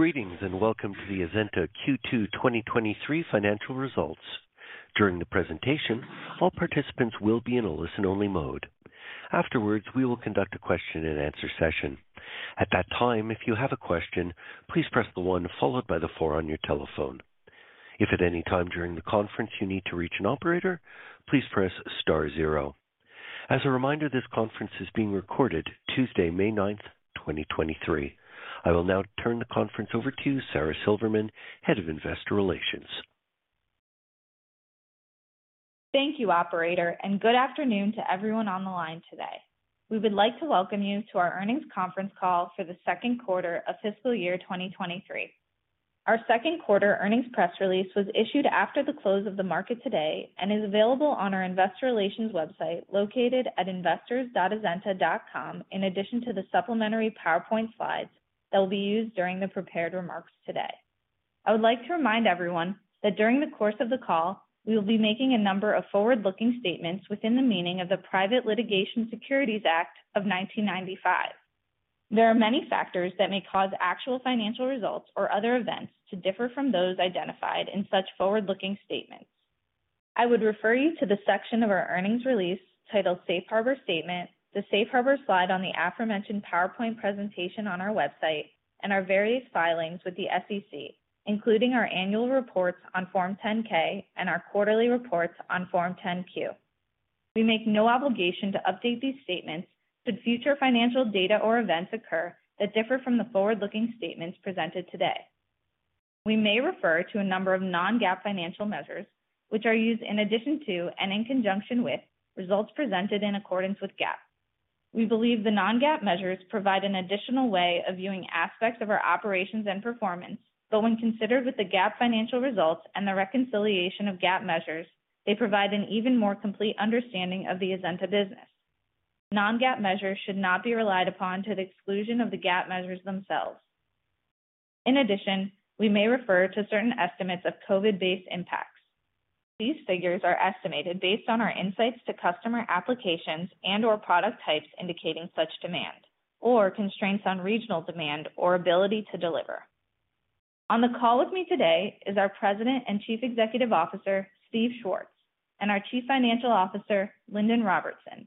Greetings, and welcome to the Azenta Q2 2023 financial results. During the presentation, all participants will be in a listen-only mode. Afterwards, we will conduct a question-and-answer session. At that time, if you have a question, please press the 1 followed by the 4 on your telephone. If at any time during the conference you need to reach an operator, please press *0. As a reminder, this conference is being recorded Tuesday, May 9, 2023. I will now turn the conference over to Sara Silverman, Head of Investor Relations. Thank you, operator, and good afternoon to everyone on the line today. We would like to welcome you to our earnings conference call for the second quarter of fiscal year 2023. Our second quarter earnings press release was issued after the close of the market today and is available on our investor relations website located at investors.azenta.com, in addition to the supplementary PowerPoint slides that will be used during the prepared remarks today. I would like to remind everyone that during the course of the call, we will be making a number of forward-looking statements within the meaning of the Private Securities Litigation Reform Act of 1995. There are many factors that may cause actual financial results or other events to differ from those identified in such forward-looking statements. I would refer you to the section of our earnings release titled Safe Harbor Statement, the Safe Harbor slide on the aforementioned PowerPoint presentation on our website, and our various filings with the SEC, including our annual reports on Form 10-K and our quarterly reports on Form 10-Q. We make no obligation to update these statements should future financial data or events occur that differ from the forward-looking statements presented today. We may refer to a number of non-GAAP financial measures, which are used in addition to and in conjunction with results presented in accordance with GAAP. We believe the non-GAAP measures provide an additional way of viewing aspects of our operations and performance, but when considered with the GAAP financial results and the reconciliation of GAAP measures, they provide an even more complete understanding of the Azenta business. Non-GAAP measures should not be relied upon to the exclusion of the GAAP measures themselves. In addition, we may refer to certain estimates of COVID-based impacts. These figures are estimated based on our insights to customer applications and/or product types indicating such demand or constraints on regional demand or ability to deliver. On the call with me today is our President and Chief Executive Officer, Steve Schwartz, and our Chief Financial Officer, Lindon Robertson.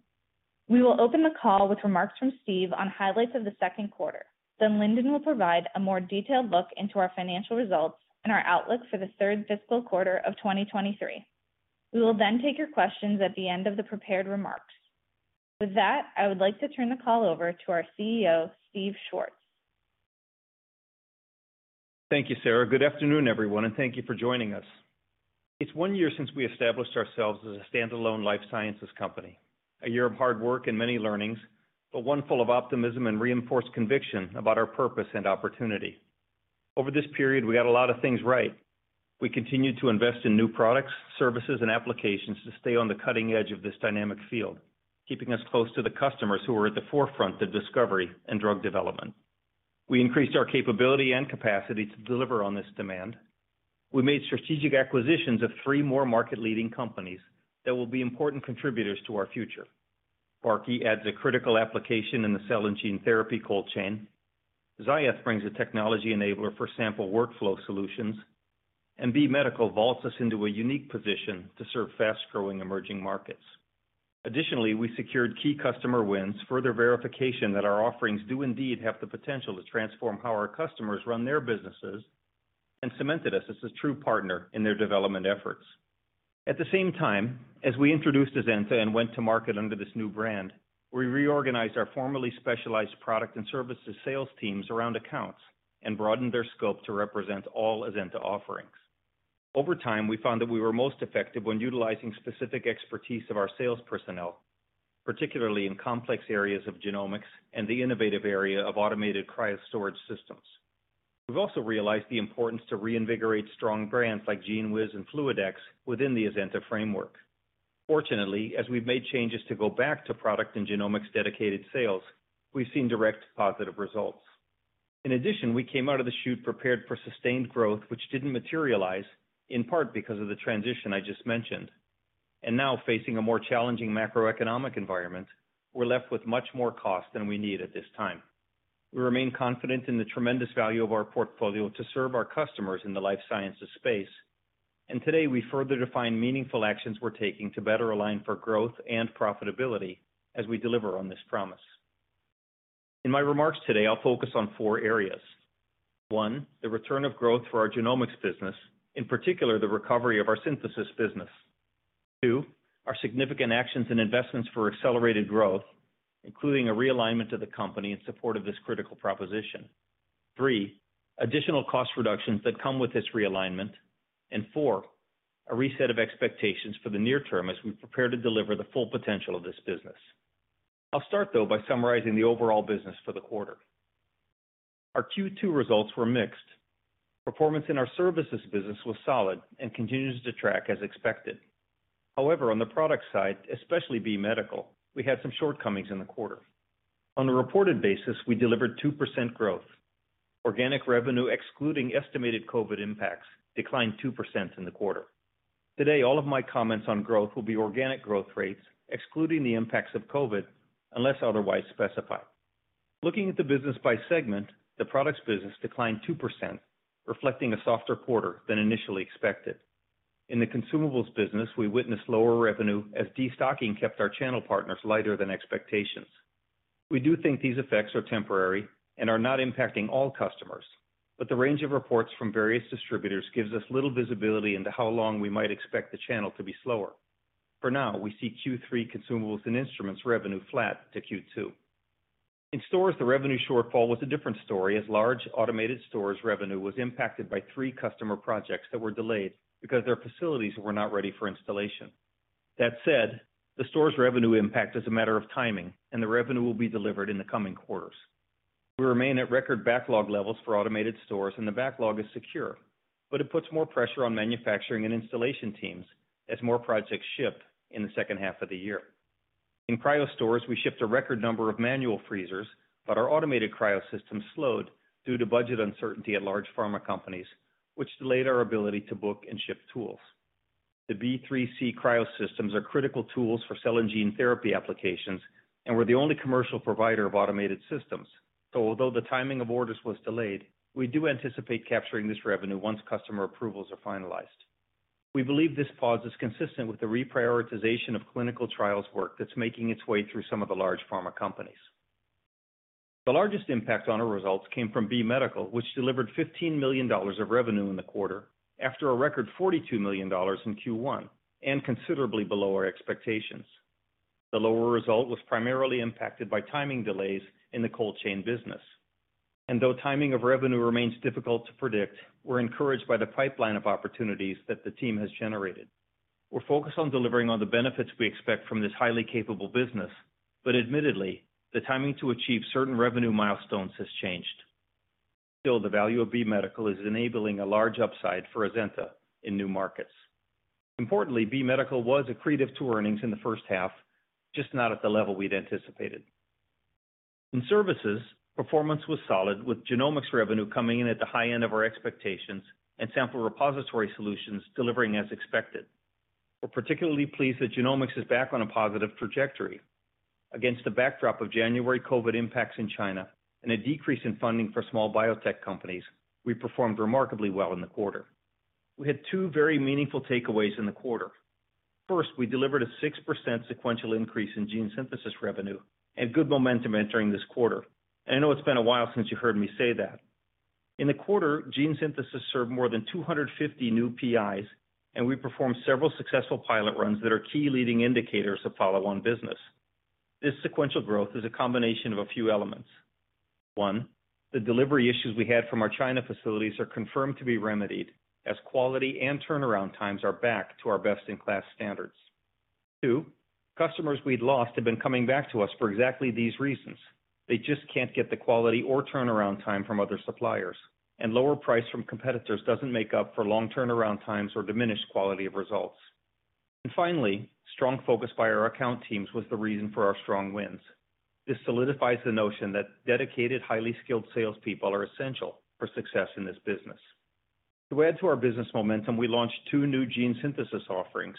We will open the call with remarks from Steve on highlights of the 2nd quarter. Lindon will provide a more detailed look into our financial results and our outlook for the 3rd fiscal quarter of 2023. We will take your questions at the end of the prepared remarks. With that, I would like to turn the call over to our CEO, Steve Schwartz. Thank you, Sara. Good afternoon, everyone, and thank you for joining us. It's one year since we established ourselves as a standalone life sciences company. A year of hard work and many learnings, but one full of optimism and reinforced conviction about our purpose and opportunity. Over this period, we got a lot of things right. We continued to invest in new products, services, and applications to stay on the cutting edge of this dynamic field, keeping us close to the customers who are at the forefront of discovery and drug development. We increased our capability and capacity to deliver on this demand. We made strategic acquisitions of three more market-leading companies that will be important contributors to our future. Barkey adds a critical application in the cell and gene therapy cold chain. Ziath brings a technology enabler for sample workflow solutions. B Medical Systems vaults us into a unique position to serve fast-growing emerging markets. Additionally, we secured key customer wins, further verification that our offerings do indeed have the potential to transform how our customers run their businesses and cemented us as a true partner in their development efforts. At the same time, as we introduced Azenta and went to market under this new brand, we reorganized our formerly specialized product and services sales teams around accounts and broadened their scope to represent all Azenta offerings. Over time, we found that we were most effective when utilizing specific expertise of our sales personnel, particularly in complex areas of genomics and the innovative area of automated cryo storage systems. We've also realized the importance to reinvigorate strong brands like GENEWIZ and FluidX within the Azenta framework. Fortunately, as we've made changes to go back to product and genomics dedicated sales, we've seen direct positive results. In addition, we came out of the chute prepared for sustained growth, which didn't materialize, in part because of the transition I just mentioned. Now, facing a more challenging macroeconomic environment, we're left with much more cost than we need at this time. We remain confident in the tremendous value of our portfolio to serve our customers in the life sciences space, and today, we further define meaningful actions we're taking to better align for growth and profitability as we deliver on this promise. In my remarks today, I'll focus on four areas. One, the return of growth for our genomics business, in particular, the recovery of our synthesis business. Two, our significant actions and investments for accelerated growth, including a realignment of the company in support of this critical proposition. Three, additional cost reductions that come with this realignment. Four, a reset of expectations for the near term as we prepare to deliver the full potential of this business. I'll start, though, by summarizing the overall business for the quarter. Our Q2 results were mixed. Performance in our services business was solid and continues to track as expected. However, on the product side, especially B Medical Systems, we had some shortcomings in the quarter. On a reported basis, we delivered 2% growth. Organic revenue excluding estimated COVID impacts declined 2% in the quarter. Today, all of my comments on growth will be organic growth rates, excluding the impacts of COVID, unless otherwise specified. Looking at the business by segment, the products business declined 2%, reflecting a softer quarter than initially expected. In the consumables business, we witnessed lower revenue as destocking kept our channel partners lighter than expectations. We do think these effects are temporary and are not impacting all customers. The range of reports from various distributors gives us little visibility into how long we might expect the channel to be slower. For now, we see Q3 consumables and instruments revenue flat to Q2. In stores, the revenue shortfall was a different story as large automated stores revenue was impacted by 3 customer projects that were delayed because their facilities were not ready for installation. That said, the store's revenue impact is a matter of timing. The revenue will be delivered in the coming quarters. We remain at record backlog levels for automated stores and the backlog is secure. It puts more pressure on manufacturing and installation teams as more projects ship in the second half of the year. In Cryogenic Stores, we shipped a record number of manual freezers. Our automated cryosystem slowed due to budget uncertainty at large pharma companies, which delayed our ability to book and ship tools. The B3C cryosystems are critical tools for cell and gene therapy applications. We're the only commercial provider of automated systems. Although the timing of orders was delayed, we do anticipate capturing this revenue once customer approvals are finalized. We believe this pause is consistent with the reprioritization of clinical trials work that's making its way through some of the large pharma companies. The largest impact on our results came from B Medical, which delivered $15 million of revenue in the quarter after a record $42 million in Q1 and considerably below our expectations. The lower result was primarily impacted by timing delays in the cold chain business. Though timing of revenue remains difficult to predict, we're encouraged by the pipeline of opportunities that the team has generated. We're focused on delivering on the benefits we expect from this highly capable business, but admittedly, the timing to achieve certain revenue milestones has changed. Still, the value of B Medical is enabling a large upside for Azenta in new markets. Importantly, B Medical was accretive to earnings in the first half, just not at the level we'd anticipated. In services, performance was solid with genomics revenue coming in at the high end of our expectations and Sample Repository Solutions delivering as expected. We're particularly pleased that genomics is back on a positive trajectory. Against the backdrop of January COVID impacts in China and a decrease in funding for small biotech companies, we performed remarkably well in the quarter. We had two very meaningful takeaways in the quarter. First, we delivered a 6% sequential increase in gene synthesis revenue and good momentum entering this quarter. I know it's been a while since you heard me say that. In the quarter, gene synthesis served more than 250 new PIs, and we performed several successful pilot runs that are key leading indicators of follow on business. This sequential growth is a combination of a few elements. One, the delivery issues we had from our China facilities are confirmed to be remedied as quality and turnaround times are back to our best-in-class standards. Two, customers we'd lost have been coming back to us for exactly these reasons. Lower price from competitors doesn't make up for long turnaround times or diminished quality of results. Finally, strong focus by our account teams was the reason for our strong wins. This solidifies the notion that dedicated, highly skilled salespeople are essential for success in this business. To add to our business momentum, we launched two new gene synthesis offerings.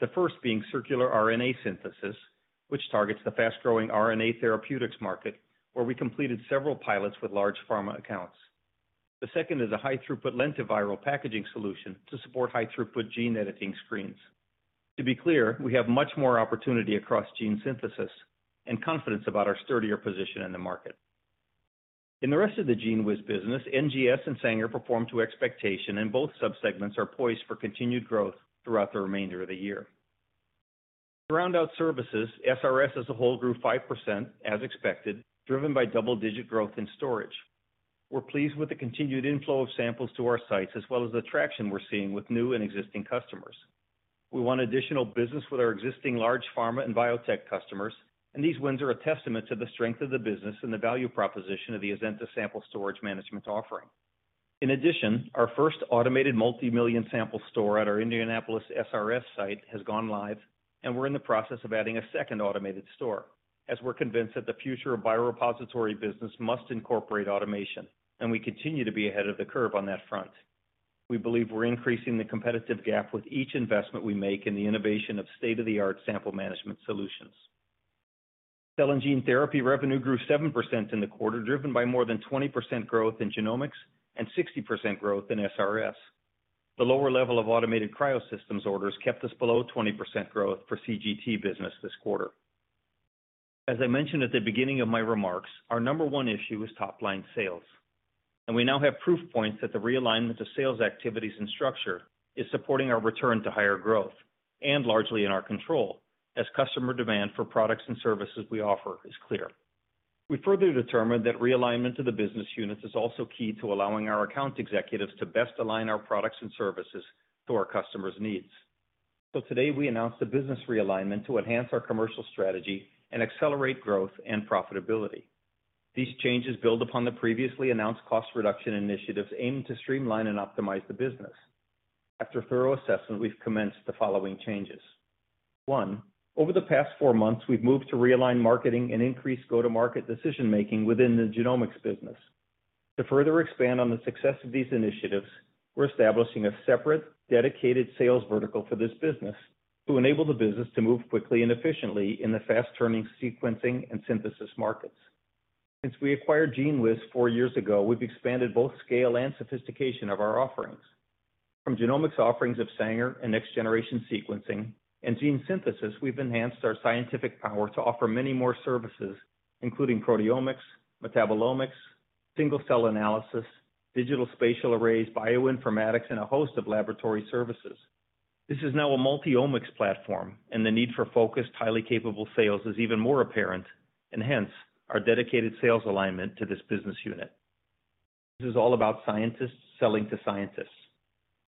The first being Circular RNA synthesis, which targets the fast-growing RNA therapeutics market, where we completed several pilots with large pharma accounts. The second is a high-throughput Lentiviral packaging solution to support high-throughput gene editing screens. To be clear, we have much more opportunity across gene synthesis and confidence about our sturdier position in the market. In the rest of the GENEWIZ business, NGS and Sanger performed to expectation. Both subsegments are poised for continued growth throughout the remainder of the year. To round out services, SRS as a whole grew 5%, as expected, driven by double-digit growth in storage. We're pleased with the continued inflow of samples to our sites, as well as the traction we're seeing with new and existing customers. We won additional business with our existing large pharma and biotech customers. These wins are a testament to the strength of the business and the value proposition of the Azenta Sample Management Solutions offering. In addition, our first automated multi-million sample store at our Indianapolis SRS site has gone live, and we're in the process of adding a second automated store, as we're convinced that the future of biorepository business must incorporate automation, and we continue to be ahead of the curve on that front. We believe we're increasing the competitive gap with each investment we make in the innovation of state-of-the-art Sample Management Solutions. Cell and gene therapy revenue grew 7% in the quarter, driven by more than 20% growth in genomics and 60% growth in SRS. The lower level of automated cryosystems orders kept us below 20% growth for CGT business this quarter. As I mentioned at the beginning of my remarks, our number 1 issue is top-line sales. We now have proof points that the realignment of sales activities and structure is supporting our return to higher growth and largely in our control as customer demand for products and services we offer is clear. We further determined that realignment of the business units is also key to allowing our account executives to best align our products and services to our customers' needs. Today, we announced a business realignment to enhance our commercial strategy and accelerate growth and profitability. These changes build upon the previously announced cost reduction initiatives aimed to streamline and optimize the business. After thorough assessment, we've commenced the following changes. 1, over the past 4 months, we've moved to realign marketing and increase go-to-market decision-making within the genomics business. To further expand on the success of these initiatives, we're establishing a separate, dedicated sales vertical for this business to enable the business to move quickly and efficiently in the fast-turning sequencing and synthesis markets. Since we acquired GENEWIZ four years ago, we've expanded both scale and sophistication of our offerings. From genomics offerings of Sanger and next-generation sequencing and gene synthesis, we've enhanced our scientific power to offer many more services, including proteomics, metabolomics, single-cell analysis, digital spatial arrays, bioinformatics, and a host of laboratory services. This is now a multi-omics platform, and the need for focused, highly capable sales is even more apparent, and hence, our dedicated sales alignment to this business unit. This is all about scientists selling to scientists.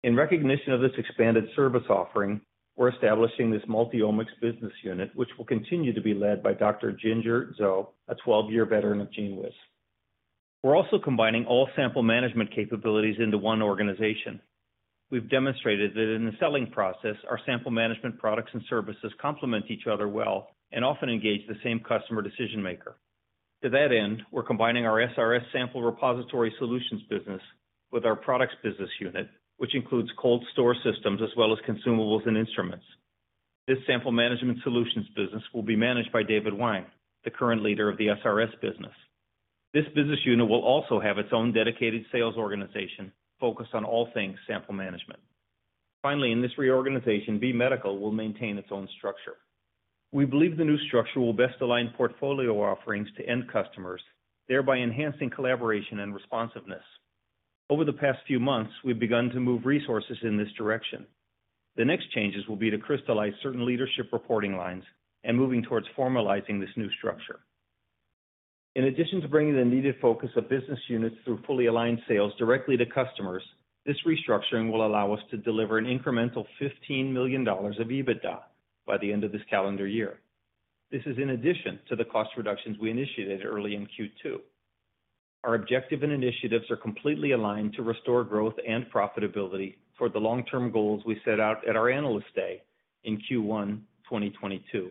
In recognition of this expanded service offering, we're establishing this multi-omics business unit, which will continue to be led by Dr. Ginger Zhou, a 12-year veteran of GENEWIZ. We're also combining all sample management capabilities into one organization. We've demonstrated that in the selling process, our sample management products and services complement each other well and often engage the same customer decision-maker. To that end, we're combining our SRS Sample Repository Solutions business with our products business unit, which includes cold store systems as well as consumables and instruments. This sample management solutions business will be managed by David Wine, the current leader of the SRS business. This business unit will also have its own dedicated sales organization focused on all things sample management. Finally, in this reorganization, B Medical Systems will maintain its own structure. We believe the new structure will best align portfolio offerings to end customers, thereby enhancing collaboration and responsiveness. Over the past few months, we've begun to move resources in this direction. The next changes will be to crystallize certain leadership reporting lines and moving towards formalizing this new structure. In addition to bringing the needed focus of business units through fully aligned sales directly to customers, this restructuring will allow us to deliver an incremental $15 million of EBITDA by the end of this calendar year. This is in addition to the cost reductions we initiated early in Q2. Our objective and initiatives are completely aligned to restore growth and profitability toward the long-term goals we set out at our Analyst Day in Q1 2022.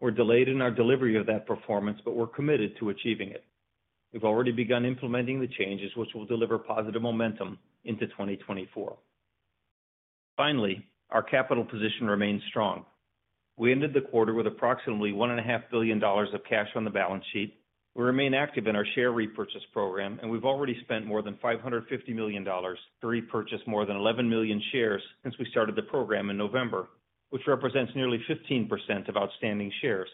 We're delayed in our delivery of that performance, but we're committed to achieving it. We've already begun implementing the changes, which will deliver positive momentum into 2024. Finally, our capital position remains strong. We ended the quarter with approximately $1.5 billion of cash on the balance sheet. We remain active in our share repurchase program, and we've already spent more than $550 million to repurchase more than 11 million shares since we started the program in November, which represents nearly 15% of outstanding shares,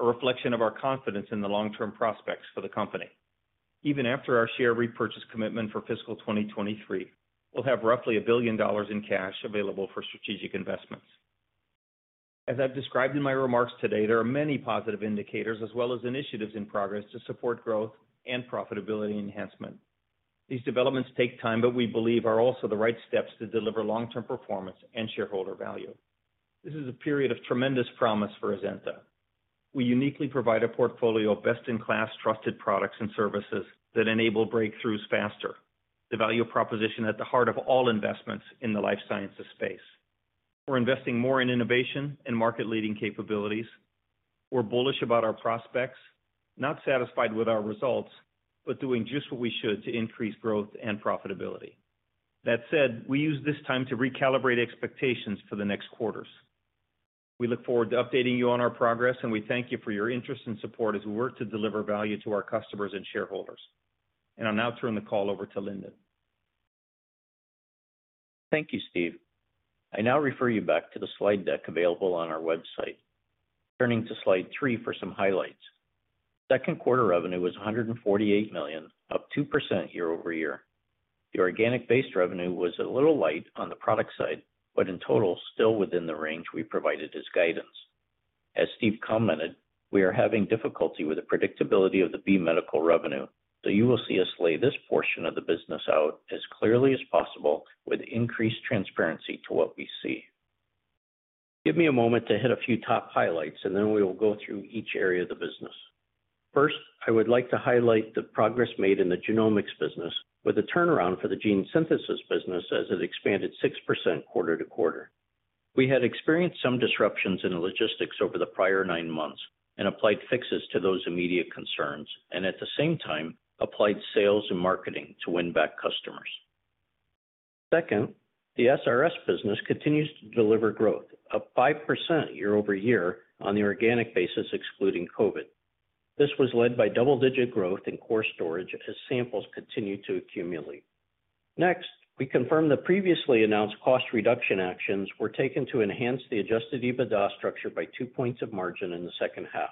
a reflection of our confidence in the long-term prospects for the company. Even after our share repurchase commitment for fiscal 2023, we'll have roughly $1 billion in cash available for strategic investments. As I've described in my remarks today, there are many positive indicators as well as initiatives in progress to support growth and profitability enhancement. These developments take time, but we believe are also the right steps to deliver long-term performance and shareholder value. This is a period of tremendous promise for Azenta. We uniquely provide a portfolio of best-in-class trusted products and services that enable breakthroughs faster, the value proposition at the heart of all investments in the life sciences space. We're investing more in innovation and market-leading capabilities. We're bullish about our prospects, not satisfied with our results, but doing just what we should to increase growth and profitability. That said, we use this time to recalibrate expectations for the next quarters. We look forward to updating you on our progress, and we thank you for your interest and support as we work to deliver value to our customers and shareholders. I'll now turn the call over to Lindon. Thank you, Steve. I now refer you back to the slide deck available on our website. Turning to slide 3 for some highlights. Second quarter revenue was $148 million, up 2% year-over-year. The organic base revenue was a little light on the product side, but in total, still within the range we provided as guidance. As Steve commented, we are having difficulty with the predictability of the B Medical Systems revenue, so you will see us lay this portion of the business out as clearly as possible with increased transparency to what we see. Give me a moment to hit a few top highlights, and then we will go through each area of the business. First, I would like to highlight the progress made in the genomics business with a turnaround for the gene synthesis business as it expanded 6% quarter-to-quarter. We had experienced some disruptions in the logistics over the prior nine months and applied fixes to those immediate concerns and at the same time applied sales and marketing to win back customers. The SRS business continues to deliver growth, up 5% year-over-year on the organic basis, excluding COVID. This was led by double-digit growth in core storage as samples continued to accumulate. We confirm the previously announced cost reduction actions were taken to enhance the adjusted EBITDA structure by two points of margin in the second half.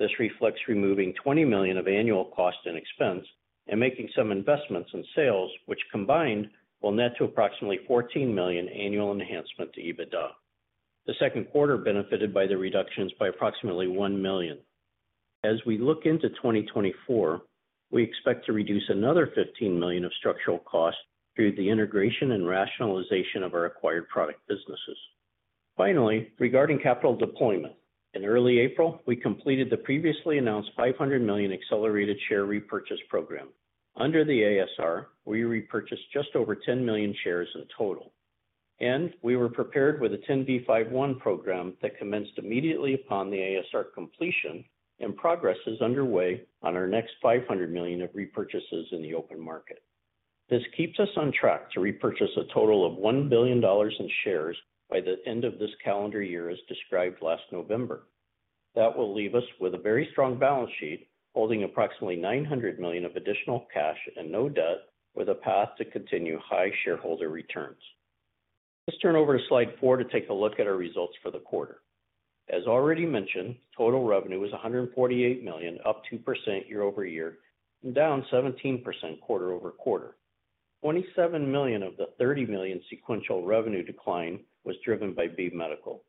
This reflects removing $20 million of annual cost and expense and making some investments in sales, which combined will net to approximately $14 million annual enhancement to EBITDA. The second quarter benefited by the reductions by approximately $1 million. As we look into 2024, we expect to reduce another $15 million of structural costs through the integration and rationalization of our acquired product businesses. Finally, regarding capital deployment, in early April, we completed the previously announced $500 million accelerated share repurchase program. Under the ASR, we repurchased just over 10 million shares in total. We were prepared with a 10b5-1 program that commenced immediately upon the ASR completion and progress is underway on our next $500 million of repurchases in the open market. This keeps us on track to repurchase a total of $1 billion in shares by the end of this calendar year, as described last November. That will leave us with a very strong balance sheet, holding approximately $900 million of additional cash and no debt, with a path to continue high shareholder returns. Let's turn over to slide four to take a look at our results for the quarter. As already mentioned, total revenue was $148 million, up 2% year-over-year and down 17% quarter-over-quarter. $27 million of the $30 million sequential revenue decline was driven by B Medical Systems.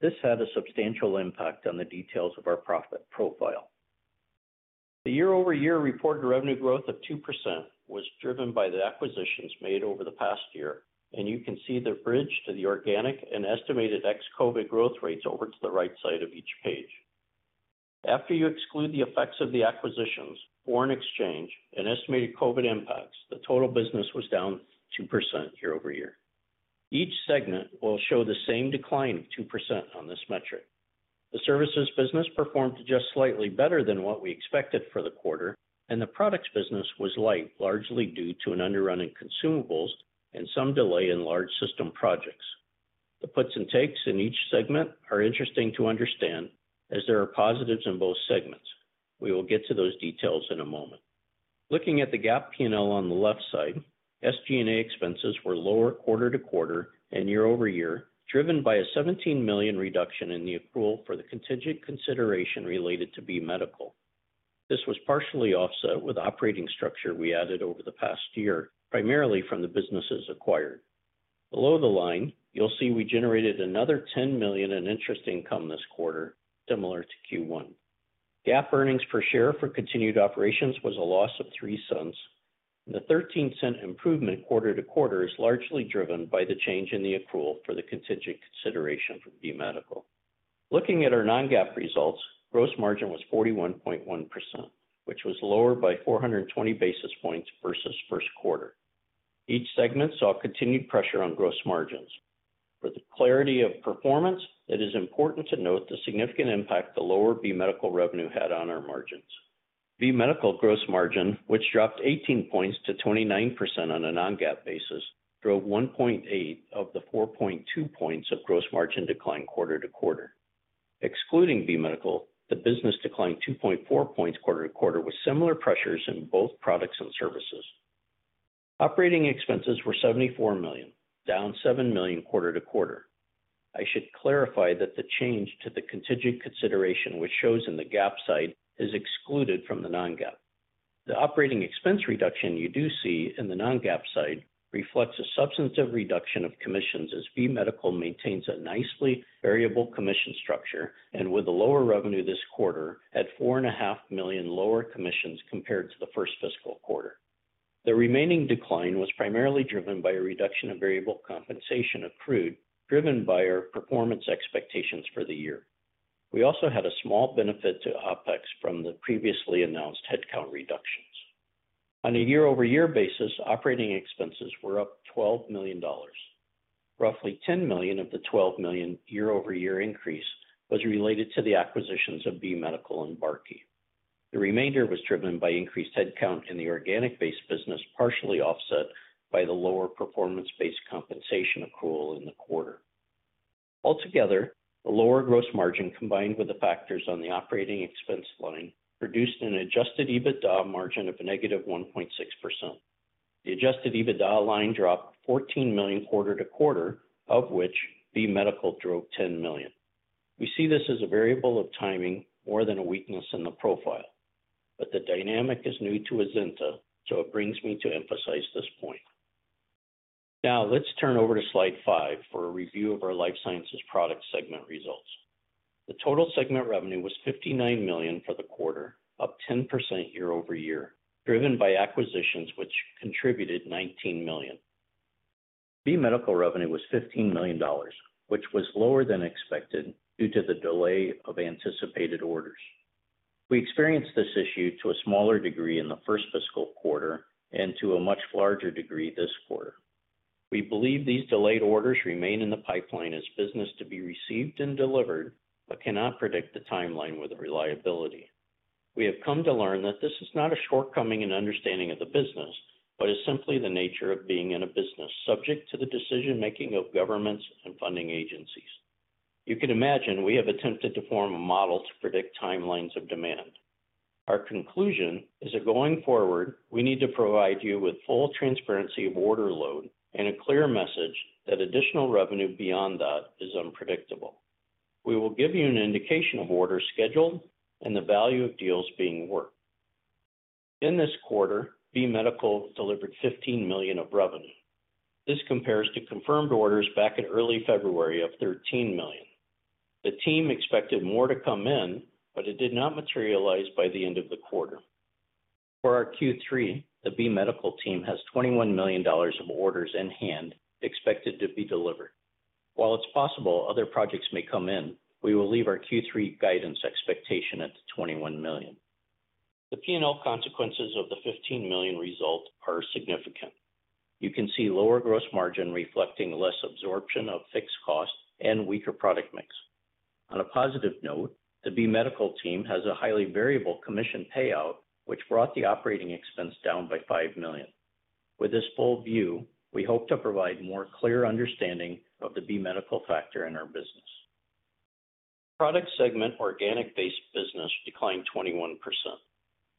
This had a substantial impact on the details of our profit profile. The year-over-year reported revenue growth of 2% was driven by the acquisitions made over the past year, and you can see the bridge to the organic and estimated ex-COVID growth rates over to the right side of each page. After you exclude the effects of the acquisitions, foreign exchange, and estimated COVID impacts, the total business was down 2% year-over-year. Each segment will show the same decline of 2% on this metric. The services business performed just slightly better than what we expected for the quarter, and the products business was light, largely due to an underrunning consumables and some delay in large system projects. The puts and takes in each segment are interesting to understand as there are positives in both segments. We will get to those details in a moment. Looking at the GAAP P&L on the left side, SG&A expenses were lower quarter-to-quarter and year-over-year, driven by a $17 million reduction in the accrual for the contingent consideration related to B Medical. This was partially offset with operating structure we added over the past year, primarily from the businesses acquired. Below the line, you'll see we generated another $10 million in interest income this quarter, similar to Q1. GAAP earnings per share for continued operations was a loss of $0.03, and the $0.13 improvement quarter-to-quarter is largely driven by the change in the accrual for the contingent consideration for B Medical Systems. Looking at our non-GAAP results, gross margin was 41.1%, which was lower by 420 basis points versus first quarter. Each segment saw continued pressure on gross margins. For the clarity of performance, it is important to note the significant impact the lower B Medical Systems revenue had on our margins. B Medical Systems gross margin, which dropped 18 points to 29% on a non-GAAP basis, drove 1.8 of the 4.2 points of gross margin decline quarter-to-quarter. Excluding B Medical Systems, the business declined 2.4 points quarter-to-quarter with similar pressures in both products and services. Operating expenses were $74 million, down $7 million quarter-to-quarter. I should clarify that the change to the contingent consideration, which shows in the GAAP side, is excluded from the non-GAAP. The operating expense reduction you do see in the non-GAAP side reflects a substantive reduction of commissions as B Medical Systems maintains a nicely variable commission structure, and with the lower revenue this quarter at $four and a half million lower commissions compared to the first fiscal quarter. The remaining decline was primarily driven by a reduction in variable compensation accrued, driven by our performance expectations for the year. We also had a small benefit to OpEx from the previously announced headcount reductions. On a year-over-year basis, operating expenses were up $12 million. Roughly $10 million of the $12 million year-over-year increase was related to the acquisitions of B Medical Systems and Barkey. The remainder was driven by increased headcount in the organic-based business, partially offset by the lower performance-based compensation accrual in the quarter. Altogether, the lower gross margin, combined with the factors on the operating expense line, produced an adjusted EBITDA margin of a negative 1.6%. The adjusted EBITDA line dropped $14 million quarter to quarter, of which B Medical Systems drove $10 million. The dynamic is new to Azenta, so it brings me to emphasize this point. Now let's turn over to slide 5 for a review of our life sciences product segment results. The total segment revenue was $59 million for the quarter, up 10% year-over-year, driven by acquisitions which contributed $19 million. B Medical revenue was $15 million, which was lower than expected due to the delay of anticipated orders. We experienced this issue to a smaller degree in the first fiscal quarter and to a much larger degree this quarter. We believe these delayed orders remain in the pipeline as business to be received and delivered, but cannot predict the timeline with a reliability. We have come to learn that this is not a shortcoming and understanding of the business, but is simply the nature of being in a business subject to the decision making of governments and funding agencies. You can imagine we have attempted to form a model to predict timelines of demand. Our conclusion is that going forward, we need to provide you with full transparency of order load and a clear message that additional revenue beyond that is unpredictable. We will give you an indication of orders scheduled and the value of deals being worked. In this quarter, B Medical delivered $15 million of revenue. This compares to confirmed orders back in early February of $13 million. The team expected more to come in, but it did not materialize by the end of the quarter. For our Q3, the B Medical team has $21 million of orders in hand expected to be delivered. While it's possible other projects may come in, we will leave our Q3 guidance expectation at $21 million. The P&L consequences of the $15 million result are significant. You can see lower gross margin reflecting less absorption of fixed costs and weaker product mix. On a positive note, the B Medical team has a highly variable commission payout, which brought the operating expense down by $5 million. With this full view, we hope to provide more clear understanding of the B Medical factor in our business. Product segment organic-based business declined 21%.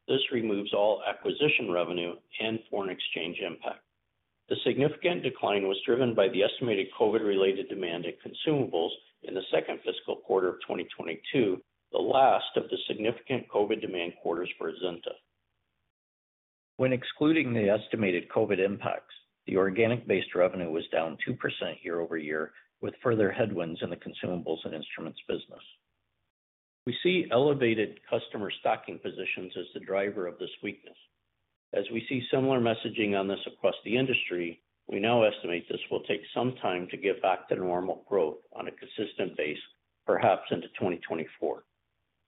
This removes all acquisition revenue and foreign exchange impact. The significant decline was driven by the estimated COVID-related demand in consumables in the second fiscal quarter of 2022, the last of the significant COVID demand quarters for Azenta. When excluding the estimated COVID impacts, the organic-based revenue was down 2% year-over-year, with further headwinds in the consumables and instruments business. We see elevated customer stocking positions as the driver of this weakness. As we see similar messaging on this across the industry, we now estimate this will take some time to get back to normal growth on a consistent basis, perhaps into 2024.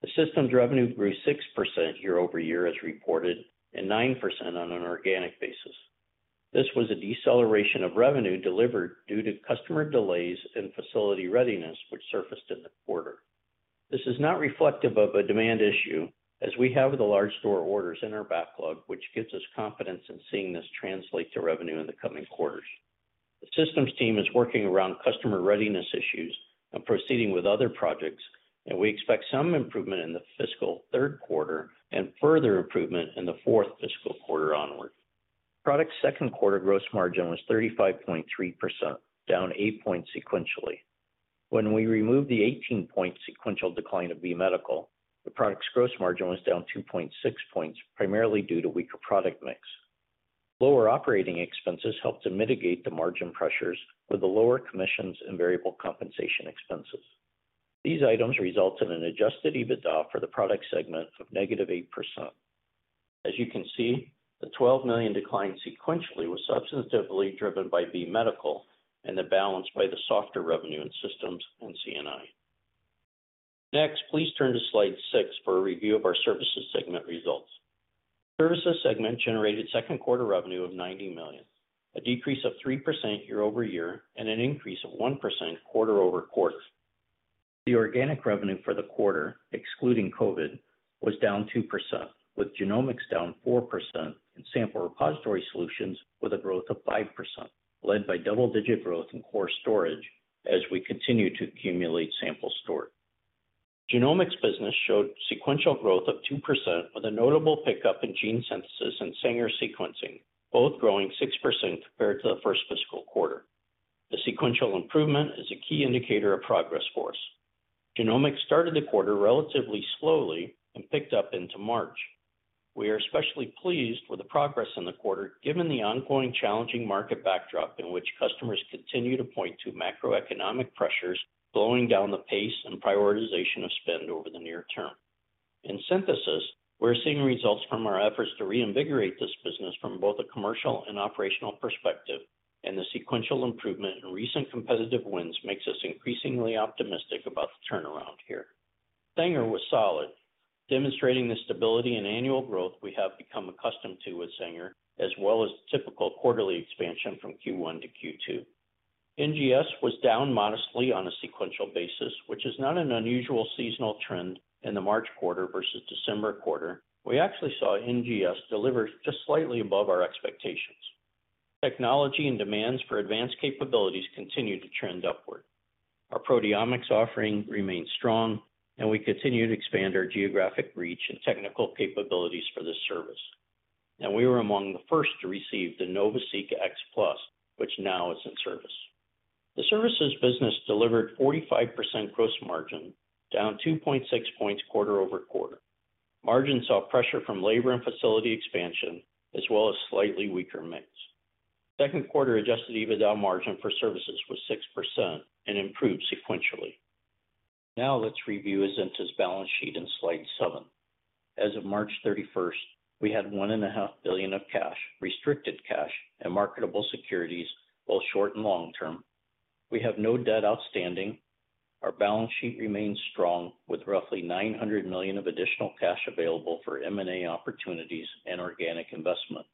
The systems revenue grew 6% year-over-year as reported, and 9% on an organic basis. This was a deceleration of revenue delivered due to customer delays and facility readiness which surfaced in the quarter. This is not reflective of a demand issue, as we have the large store orders in our backlog, which gives us confidence in seeing this translate to revenue in the coming quarters. The systems team is working around customer readiness issues and proceeding with other projects, and we expect some improvement in the fiscal third quarter and further improvement in the fourth fiscal quarter onward. Product's second quarter gross margin was 35.3%, down 8 points sequentially. When we remove the 18-point sequential decline of B Medical Systems, the product's gross margin was down 2.6 points, primarily due to weaker product mix. Lower operating expenses helped to mitigate the margin pressures with the lower commissions and variable compensation expenses. These items result in an adjusted EBITDA for the product segment of negative 8%. As you can see, the $12 million decline sequentially was substantively driven by B Medical Systems and the balance by the softer revenue in systems and C&I. Please turn to slide 6 for a review of our services segment results. Services segment generated second quarter revenue of $90 million, a decrease of 3% year-over-year and an increase of 1% quarter-over-quarter. The organic revenue for the quarter, excluding COVID, was down 2%, with genomics down 4% and Sample Repository Solutions with a growth of 5%, led by double-digit growth in core storage as we continue to accumulate sample store. Genomics business showed sequential growth of 2% with a notable pickup in gene synthesis and Sanger sequencing, both growing 6% compared to the first fiscal quarter. The sequential improvement is a key indicator of progress for us. Genomics started the quarter relatively slowly and picked up into March. We are especially pleased with the progress in the quarter given the ongoing challenging market backdrop in which customers continue to point to macroeconomic pressures slowing down the pace and prioritization of spend over the near term. In synthesis, we're seeing results from our efforts to reinvigorate this business from both a commercial and operational perspective, and the sequential improvement in recent competitive wins makes us increasingly optimistic about the turnaround here. Sanger was solid, demonstrating the stability and annual growth we have become accustomed to with Sanger, as well as typical quarterly expansion from Q1 to Q2. NGS was down modestly on a sequential basis, which is not an unusual seasonal trend in the March quarter versus December quarter. We actually saw NGS deliver just slightly above our expectations. Technology and demands for advanced capabilities continue to trend upward. Our proteomics offering remains strong and we continue to expand our geographic reach and technical capabilities for this service. We were among the first to receive the NovaSeq X Plus, which now is in service. The services business delivered 45% gross margin, down 2.6 points quarter-over-quarter. Margins saw pressure from labor and facility expansion, as well as slightly weaker mix. Second quarter adjusted EBITDA margin for services was 6% and improved sequentially. Let's review Azenta's balance sheet in slide seven. As of March 31st, we had $1.5 billion of cash, restricted cash, and marketable securities, both short and long-term. We have no debt outstanding. Our balance sheet remains strong with roughly $900 million of additional cash available for M&A opportunities and organic investment.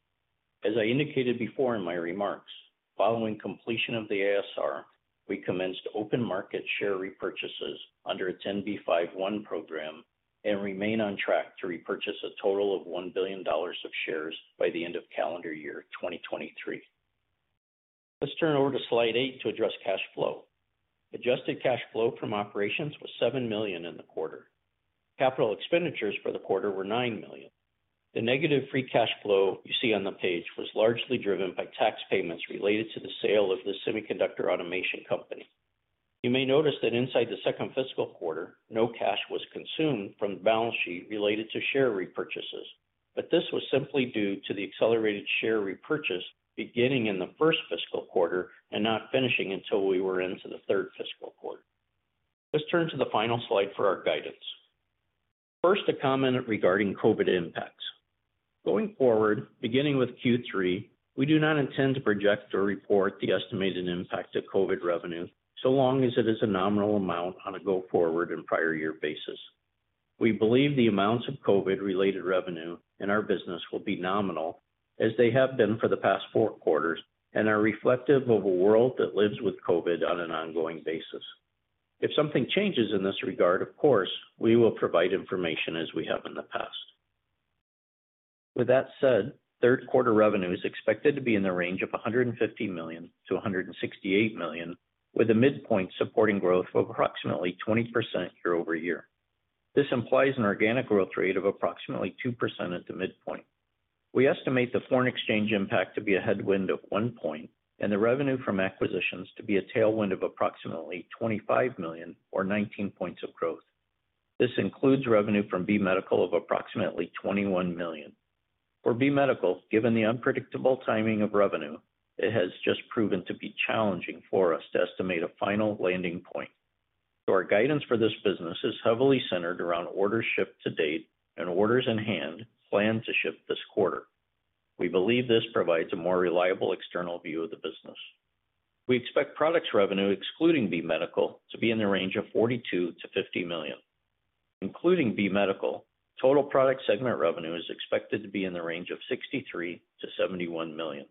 As I indicated before in my remarks, following completion of the ASR, we commenced open market share repurchases under its 10b5-1 program and remain on track to repurchase a total of $1 billion of shares by the end of calendar year 2023. Let's turn over to slide 8 to address cash flow. Adjusted cash flow from operations was $7 million in the quarter. Capital expenditures for the quarter were $9 million. The negative free cash flow you see on the page was largely driven by tax payments related to the sale of the semiconductor automation company. You may notice that inside the second fiscal quarter, no cash was consumed from the balance sheet related to share repurchases. This was simply due to the accelerated share repurchase beginning in the first fiscal quarter and not finishing until we were into the third fiscal quarter. Let's turn to the final slide for our guidance. First, a comment regarding COVID impacts. Going forward, beginning with Q3, we do not intend to project or report the estimated impact of COVID revenue, so long as it is a nominal amount on a go-forward and prior year basis. We believe the amounts of COVID-related revenue in our business will be nominal, as they have been for the past four quarters, and are reflective of a world that lives with COVID on an ongoing basis. If something changes in this regard, of course, we will provide information as we have in the past. With that said, third quarter revenue is expected to be in the range of $150 million-$168 million, with a midpoint supporting growth of approximately 20% year-over-year. This implies an organic growth rate of approximately 2% at the midpoint. We estimate the foreign exchange impact to be a headwind of 1 point, and the revenue from acquisitions to be a tailwind of approximately $25 million or 19 points of growth. This includes revenue from B Medical Systems of approximately $21 million. For B Medical Systems, given the unpredictable timing of revenue, it has just proven to be challenging for us to estimate a final landing point. Our guidance for this business is heavily centered around orders shipped to date and orders in-hand planned to ship this quarter. We believe this provides a more reliable external view of the business. We expect products revenue excluding B Medical to be in the range of $42 million-$50 million. Including B Medical, total product segment revenue is expected to be in the range of $63 million-$71 million.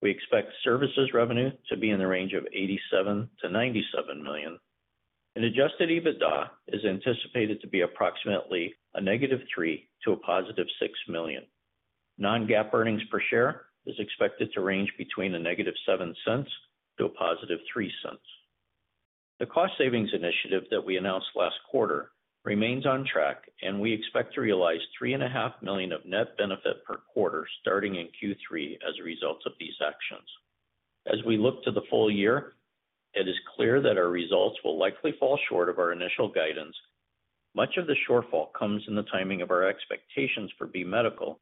We expect services revenue to be in the range of $87 million-$97 million, and adjusted EBITDA is anticipated to be approximately a negative $3 million to a positive $6 million. non-GAAP earnings per share is expected to range between a negative $0.07 to a positive $0.03. The cost savings initiative that we announced last quarter remains on track, and we expect to realize $3.5 million of net benefit per quarter starting in Q3 as a result of these actions. As we look to the full year, it is clear that our results will likely fall short of our initial guidance Much of the shortfall comes in the timing of our expectations for B Medical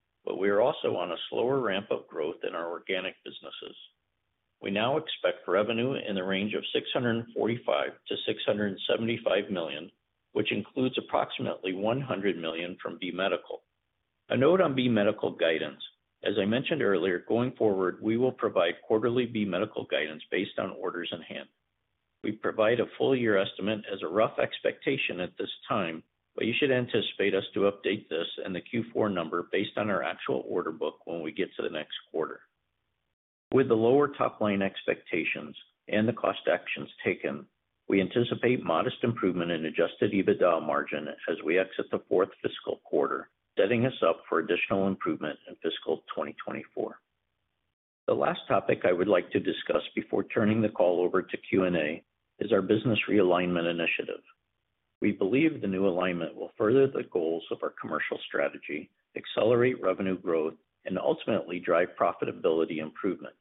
The last topic I would like to discuss before turning the call over to Q&A is our business realignment initiative. We believe the new alignment will further the goals of our commercial strategy, accelerate revenue growth, and ultimately drive profitability improvement.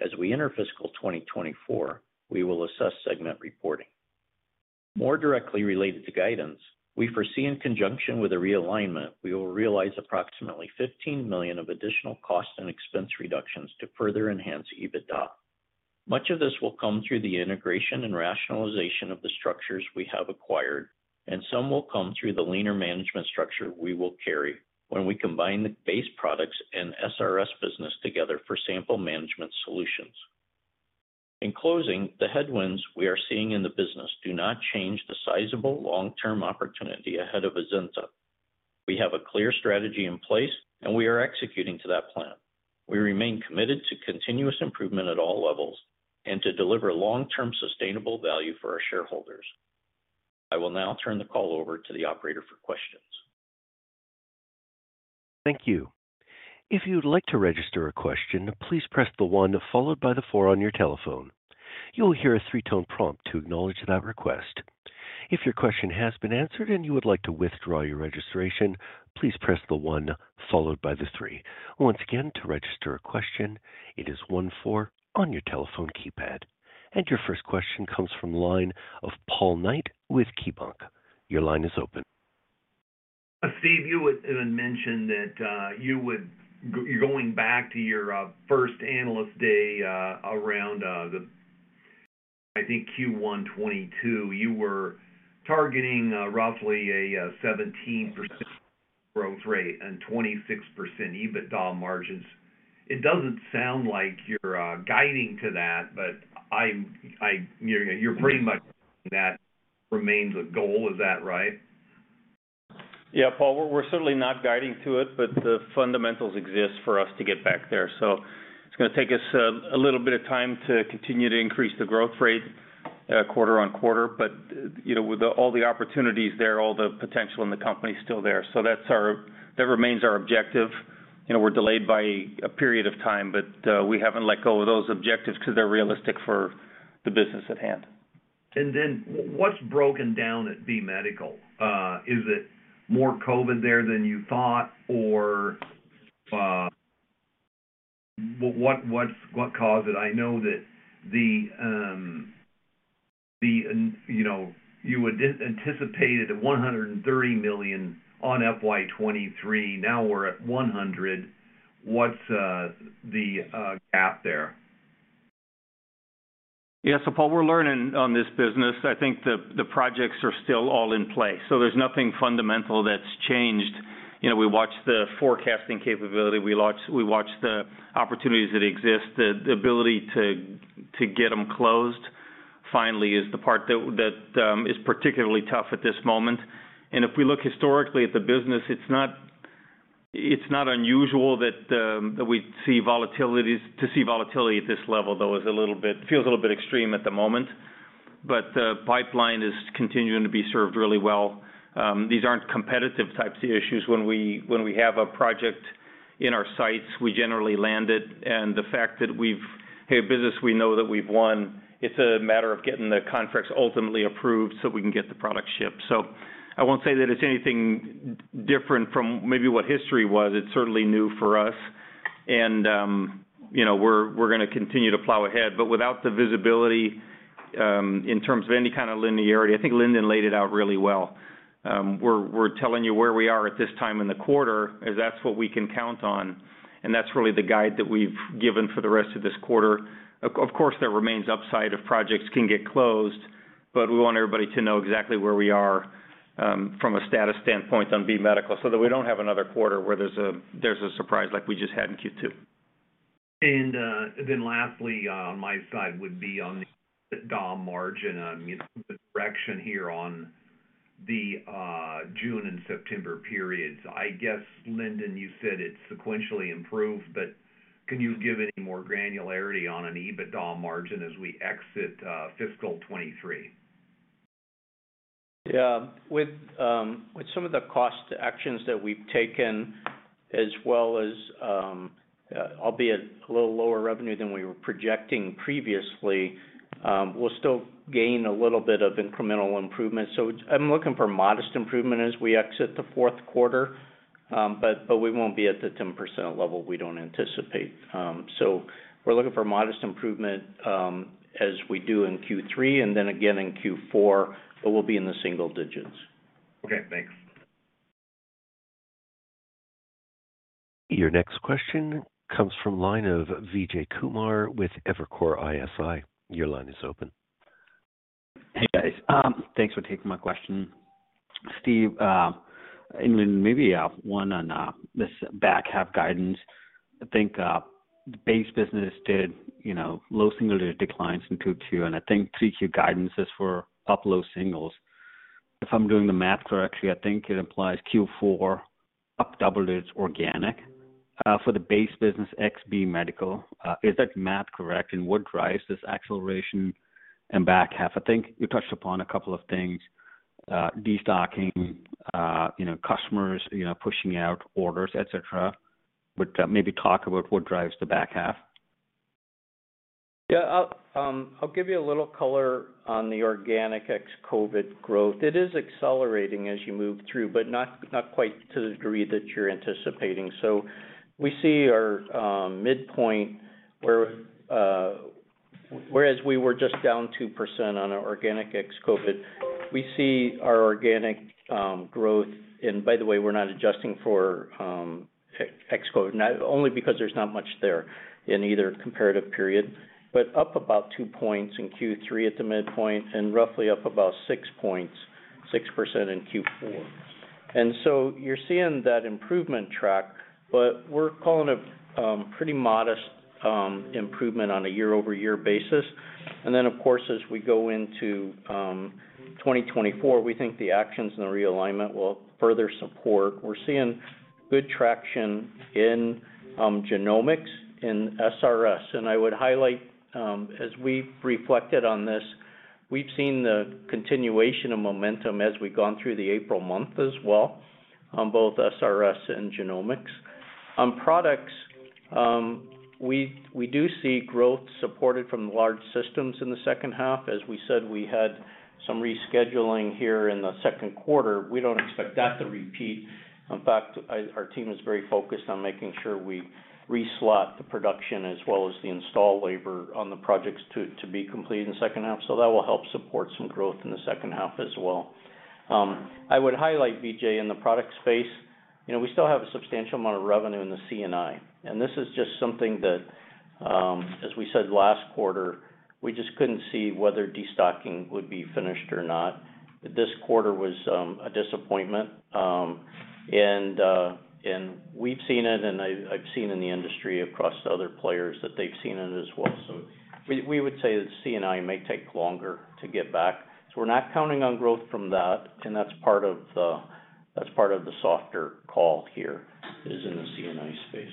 As we enter fiscal 2024, we will assess segment reporting. More directly related to guidance, we foresee in conjunction with the realignment, we will realize approximately $15 million of additional cost and expense reductions to further enhance EBITDA. Much of this will come through the integration and rationalization of the structures we have acquired, and some will come through the leaner management structure we will carry when we combine the base products and SRS business together for Sample Management Solutions. In closing, the headwinds we are seeing in the business do not change the sizable long-term opportunity ahead of Azenta. We have a clear strategy in place, and we are executing to that plan. We remain committed to continuous improvement at all levels and to deliver long-term sustainable value for our shareholders. I will now turn the call over to the operator for questions. Thank you. If you'd like to register a question, please press the 1 followed by the 4 on your telephone. You will hear a 3-tone prompt to acknowledge that request. If your question has been answered and you would like to withdraw your registration, please press the 1 followed by the 3. Once again, to register a question, it is 1 4 on your telephone keypad. Your first question comes from line of Paul Knight with KeyBanc. Your line is open. Steve, you had mentioned that you're going back to your first Analyst Day, around the, I think, Q1 2022. You were targeting roughly a 17% growth rate and 26% EBITDA margins. It doesn't sound like you're guiding to that, but you're pretty much that remains a goal. Is that right? Paul, we're certainly not guiding to it, but the fundamentals exist for us to get back there. It's gonna take us a little bit of time to continue to increase the growth rate, quarter-on-quarter. You know, with all the opportunities there, all the potential in the company is still there. That remains our objective. You know, we're delayed by a period of time, but we haven't let go of those objectives because they're realistic for the business at hand. What's broken down at B Medical Systems? Is it more COVID there than you thought or what caused it? I know that the, you know, you anticipated at $130 million on FY 23. Now we're at $100 million. What's the gap there? Yes. Paul, we're learning on this business. I think the projects are still all in place, so there's nothing fundamental that's changed. You know, we watch the forecasting capability, we watch the opportunities that exist. The ability to get them closed finally is the part that is particularly tough at this moment. If we look historically at the business, it's not unusual that we see volatilities. To see volatility at this level, though, feels a little bit extreme at the moment. The pipeline is continuing to be served really well. These aren't competitive types of issues. When we have a project in our sights, we generally land it. The fact that we've had business we know that we've won, it's a matter of getting the contracts ultimately approved so we can get the product shipped. I won't say that it's anything different from maybe what history was. It's certainly new for us. You know, we're gonna continue to plow ahead. Without the visibility in terms of any kind of linearity, I think Lindon laid it out really well. We're telling you where we are at this time in the quarter, as that's what we can count on, and that's really the guide that we've given for the rest of this quarter. Of course, there remains upside if projects can get closed, but we want everybody to know exactly where we are from a status standpoint on B Medical so that we don't have another quarter where there's a surprise like we just had in Q2. Lastly, on my side would be on the DOM margin on the direction here on the June and September periods. I guess, Lindon, you said it sequentially improved, but can you give any more granularity on an EBITDA margin as we exit, fiscal 2023? With some of the cost actions that we've taken, as well as, albeit a little lower revenue than we were projecting previously, we'll still gain a little bit of incremental improvement. I'm looking for modest improvement as we exit the fourth quarter. We won't be at the 10% level, we don't anticipate. We're looking for modest improvement, as we do in Q3 and then again in Q4, but we'll be in the single digits. Okay, thanks. Your next question comes from line of Vijay Kumar with Evercore ISI. Your line is open. Hey, guys. Thanks for taking my question. Steve, and maybe one on this back half guidance. I think the base business did, you know, low single-digit declines in Q2, and I think 3Q guidance is for up low singles. If I'm doing the math correctly, I think it implies Q4 up double digits organic for the base business ex B Medical. Is that math correct? What drives this acceleration in back half? I think you touched upon a couple of things, destocking, you know, customers, you know, pushing out orders, et cetera. Maybe talk about what drives the back half. Yeah. I'll give you a little color on the organic ex-COVID growth. It is accelerating as you move through, but not quite to the degree that you're anticipating. We see our midpoint where, whereas we were just down 2% on our organic ex-COVID, we see our organic growth. By the way, we're not adjusting for ex-COVID, only because there's not much there in either comparative period. Up about 2 points in Q3 at the midpoint, and roughly up about 6 points, 6% in Q4. You're seeing that improvement track, but we're calling it pretty modest improvement on a year-over-year basis. Of course, as we go into 2024, we think the actions and the realignment will further support. We're seeing good traction in genomics in SRS. I would highlight, as we've reflected on this, we've seen the continuation of momentum as we've gone through the April month as well on both SRS and genomics. On products, we do see growth supported from the large systems in the second half. As we said, we had some rescheduling here in the second quarter. We don't expect that to repeat. In fact, our team is very focused on making sure we re-slot the production as well as the install labor on the projects to be complete in the second half. That will help support some growth in the second half as well. I would highlight, Vijay, in the product space, you know, we still have a substantial amount of revenue in the C&I, and this is just something that, as we said last quarter, we just couldn't see whether destocking would be finished or not. This quarter was a disappointment. And we've seen it, and I've seen in the industry across other players that they've seen it as well. We would say that C&I may take longer to get back, so we're not counting on growth from that, and that's part of the softer call here is in the C&I space.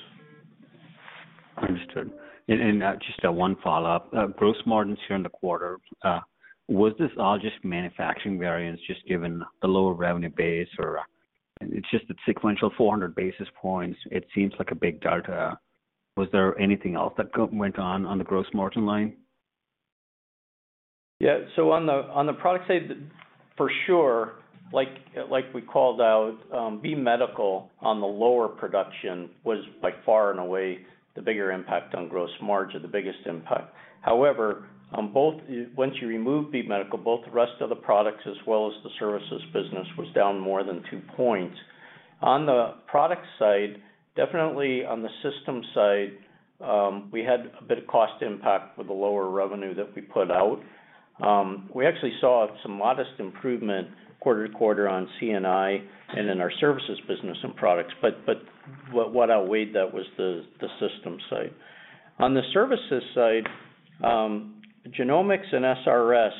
Understood. Just one follow-up. Gross margins here in the quarter, was this all just manufacturing variance just given the lower revenue base? It's just a sequential 400 basis points, it seems like a big delta. Was there anything else that went on on the gross margin line? Yeah. On the, on the product side, for sure, like we called out, B Medical on the lower production was by far and away the bigger impact on gross margin, the biggest impact. However, once you remove B Medical, both the rest of the products as well as the services business was down more than two points. On the product side, definitely on the system side, we had a bit of cost impact with the lower revenue that we put out. We actually saw some modest improvement quarter to quarter on C&I and in our services business and products, but what outweighed that was the system side. On the services side, genomics and SRS,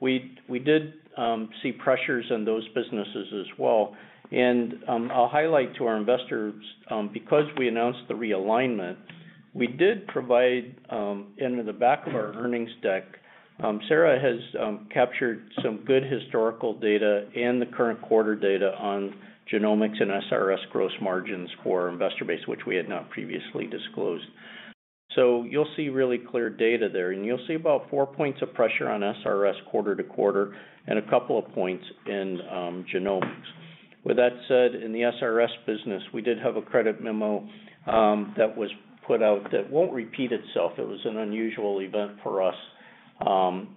we did see pressures in those businesses as well. I'll highlight to our investors, because we announced the realignment, we did provide, into the back of our earnings deck, Sarah has captured some good historical data and the current quarter data on genomics and SRS gross margins for our investor base, which we had not previously disclosed. You'll see really clear data there, and you'll see about 4 points of pressure on SRS quarter-to-quarter and 2 points in genomics. With that said, in the SRS business, we did have a credit memo that was put out that won't repeat itself. It was an unusual event for us. And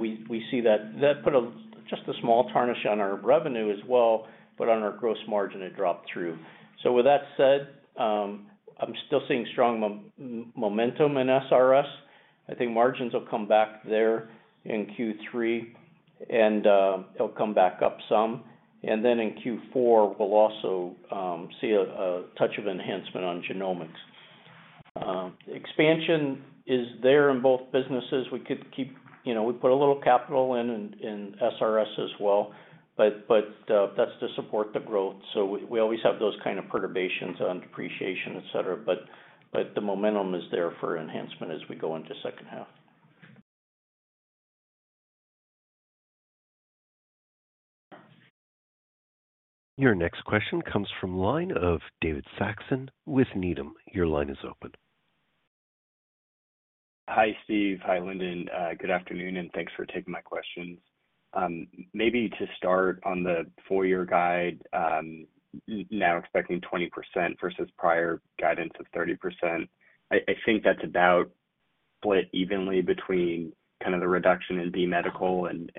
we see that. That put a just a small tarnish on our revenue as well, but on our gross margin, it dropped through. With that said, I'm still seeing strong momentum in SRS. I think margins will come back there in Q3, and it'll come back up some. In Q4, we'll also see a touch of enhancement on genomics. Expansion is there in both businesses. We could keep, you know, we put a little capital in SRS as well, but that's to support the growth. We always have those kind of perturbations on depreciation, et cetera. The momentum is there for enhancement as we go into second half. Your next question comes from line of David Saxon with Needham. Your line is open. Hi, Steve. Hi, Lindon. Good afternoon. Thanks for taking my questions. Maybe to start on the full year guide, now expecting 20% versus prior guidance of 30%. I think that's about split evenly between kind of the reduction in B Medical and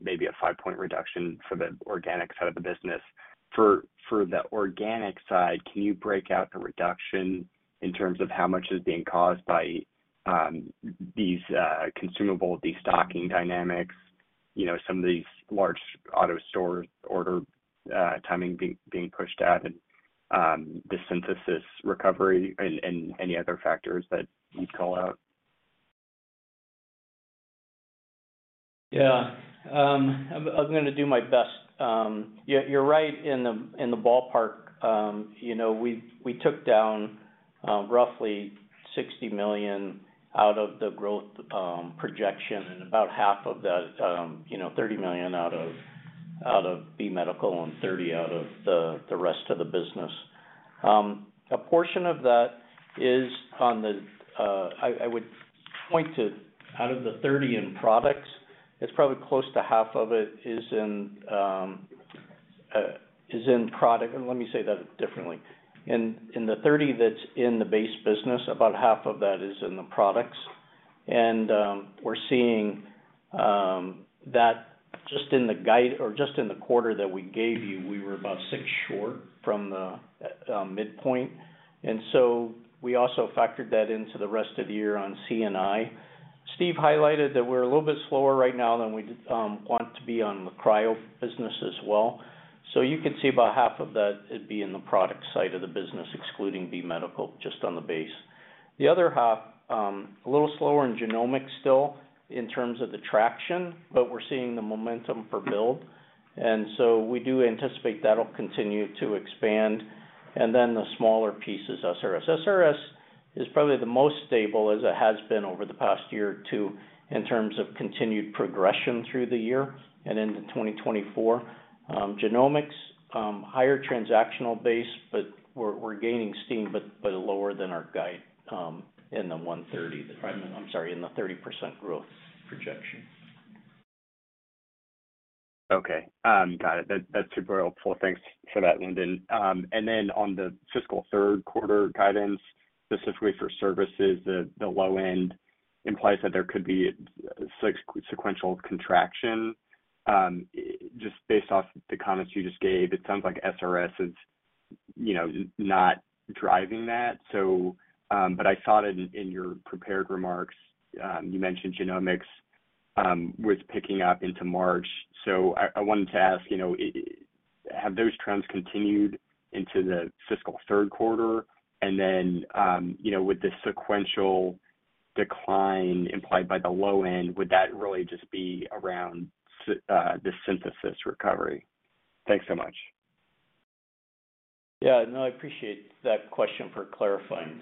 maybe a 5-point reduction for the organic side of the business. For the organic side, can you break out the reduction in terms of how much is being caused by these consumable destocking dynamics, you know, some of these large automated store order timing being pushed out and the synthesis recovery and any other factors that you'd call out? Yeah. I'm gonna do my best. Yeah, you're right in the ballpark. You know, we took down roughly $60 million out of the growth projection, and about half of that, you know, $30 million out of B Medical and $30 out of the rest of the business. A portion of that is on the, I would point to out of the $30 in products, it's probably close to half of it is in product. Let me say that differently. In the $30 that's in the base business, about half of that is in the products. We're seeing, that just in the guide or just in the quarter that we gave you, we were about 6 short from the midpoint. We also factored that into the rest of the year on C&I. Steve highlighted that we're a little bit slower right now than we'd want to be on the cryo business as well. You can see about half of that, it'd be in the product side of the business, excluding B Medical, just on the base. The other half, a little slower in genomics still in terms of the traction, but we're seeing the momentum for build. We do anticipate that'll continue to expand. The smaller pieces, SRS. SRS is probably the most stable as it has been over the past year or two in terms of continued progression through the year and into 2024. Genomics, higher transactional base, but we're gaining steam, but lower than our guide in the 130. I'm sorry, in the 30% growth projection. Okay. Got it. That's super helpful. Thanks for that, Lindon. On the fiscal third quarter guidance, specifically for services, the low end implies that there could be sequential contraction. Just based off the comments you just gave, it sounds like SRS is, you know, not driving that, but I saw it in your prepared remarks. You mentioned genomics was picking up into March. I wanted to ask, you know, have those trends continued into the fiscal third quarter? With the sequential decline implied by the low end, would that really just be around the synthesis recovery? Thanks so much. Yeah, no, I appreciate that question for clarifying.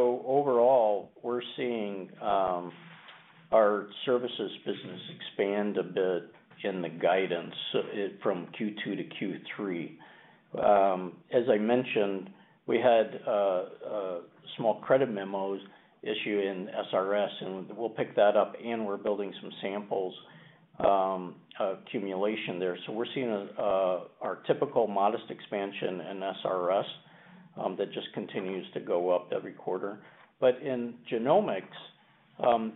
Overall, we're seeing our services business expand a bit in the guidance from Q2 to Q3. As I mentioned, we had a small credit memos issued in SRS, and we'll pick that up, and we're building some samples accumulation there. We're seeing our typical modest expansion in SRS that just continues to go up every quarter. In genomics,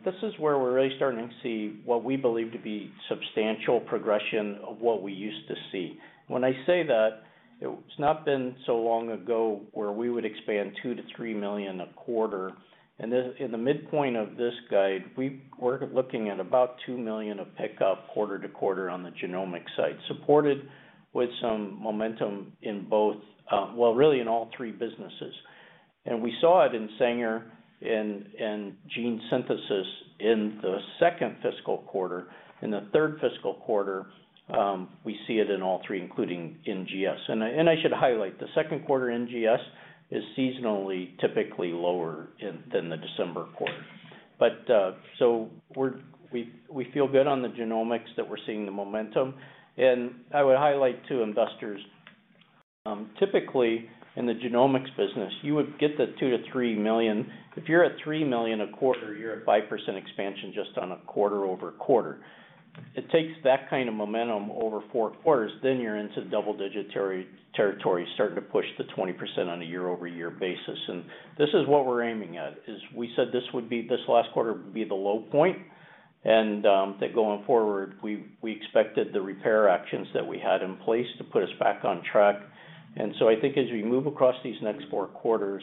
this is where we're really starting to see what we believe to be substantial progression of what we used to see. When I say that, it's not been so long ago where we would expand $2 million-$3 million a quarter. In the midpoint of this guide, we're looking at about $2 million of pickup quarter-to-quarter on the genomics side, supported with some momentum in both, well, really in all three businesses. We saw it in Sanger in gene synthesis in the second fiscal quarter. In the third fiscal quarter, we see it in all three, including NGS. I should highlight, the second quarter NGS is seasonally typically lower than the December quarter. So we feel good on the genomics that we're seeing the momentum. I would highlight to investors, typically in the genomics business, you would get the $2 million-$3 million. If you're at $3 million a quarter, you're at 5% expansion just on a quarter-over-quarter. It takes that kind of momentum over 4 quarters, then you're into double-digit territory, starting to push to 20% on a year-over-year basis. This is what we're aiming at, is we said this last quarter would be the low point, that going forward, we expected the repair actions that we had in place to put us back on track. I think as we move across these next 4 quarters,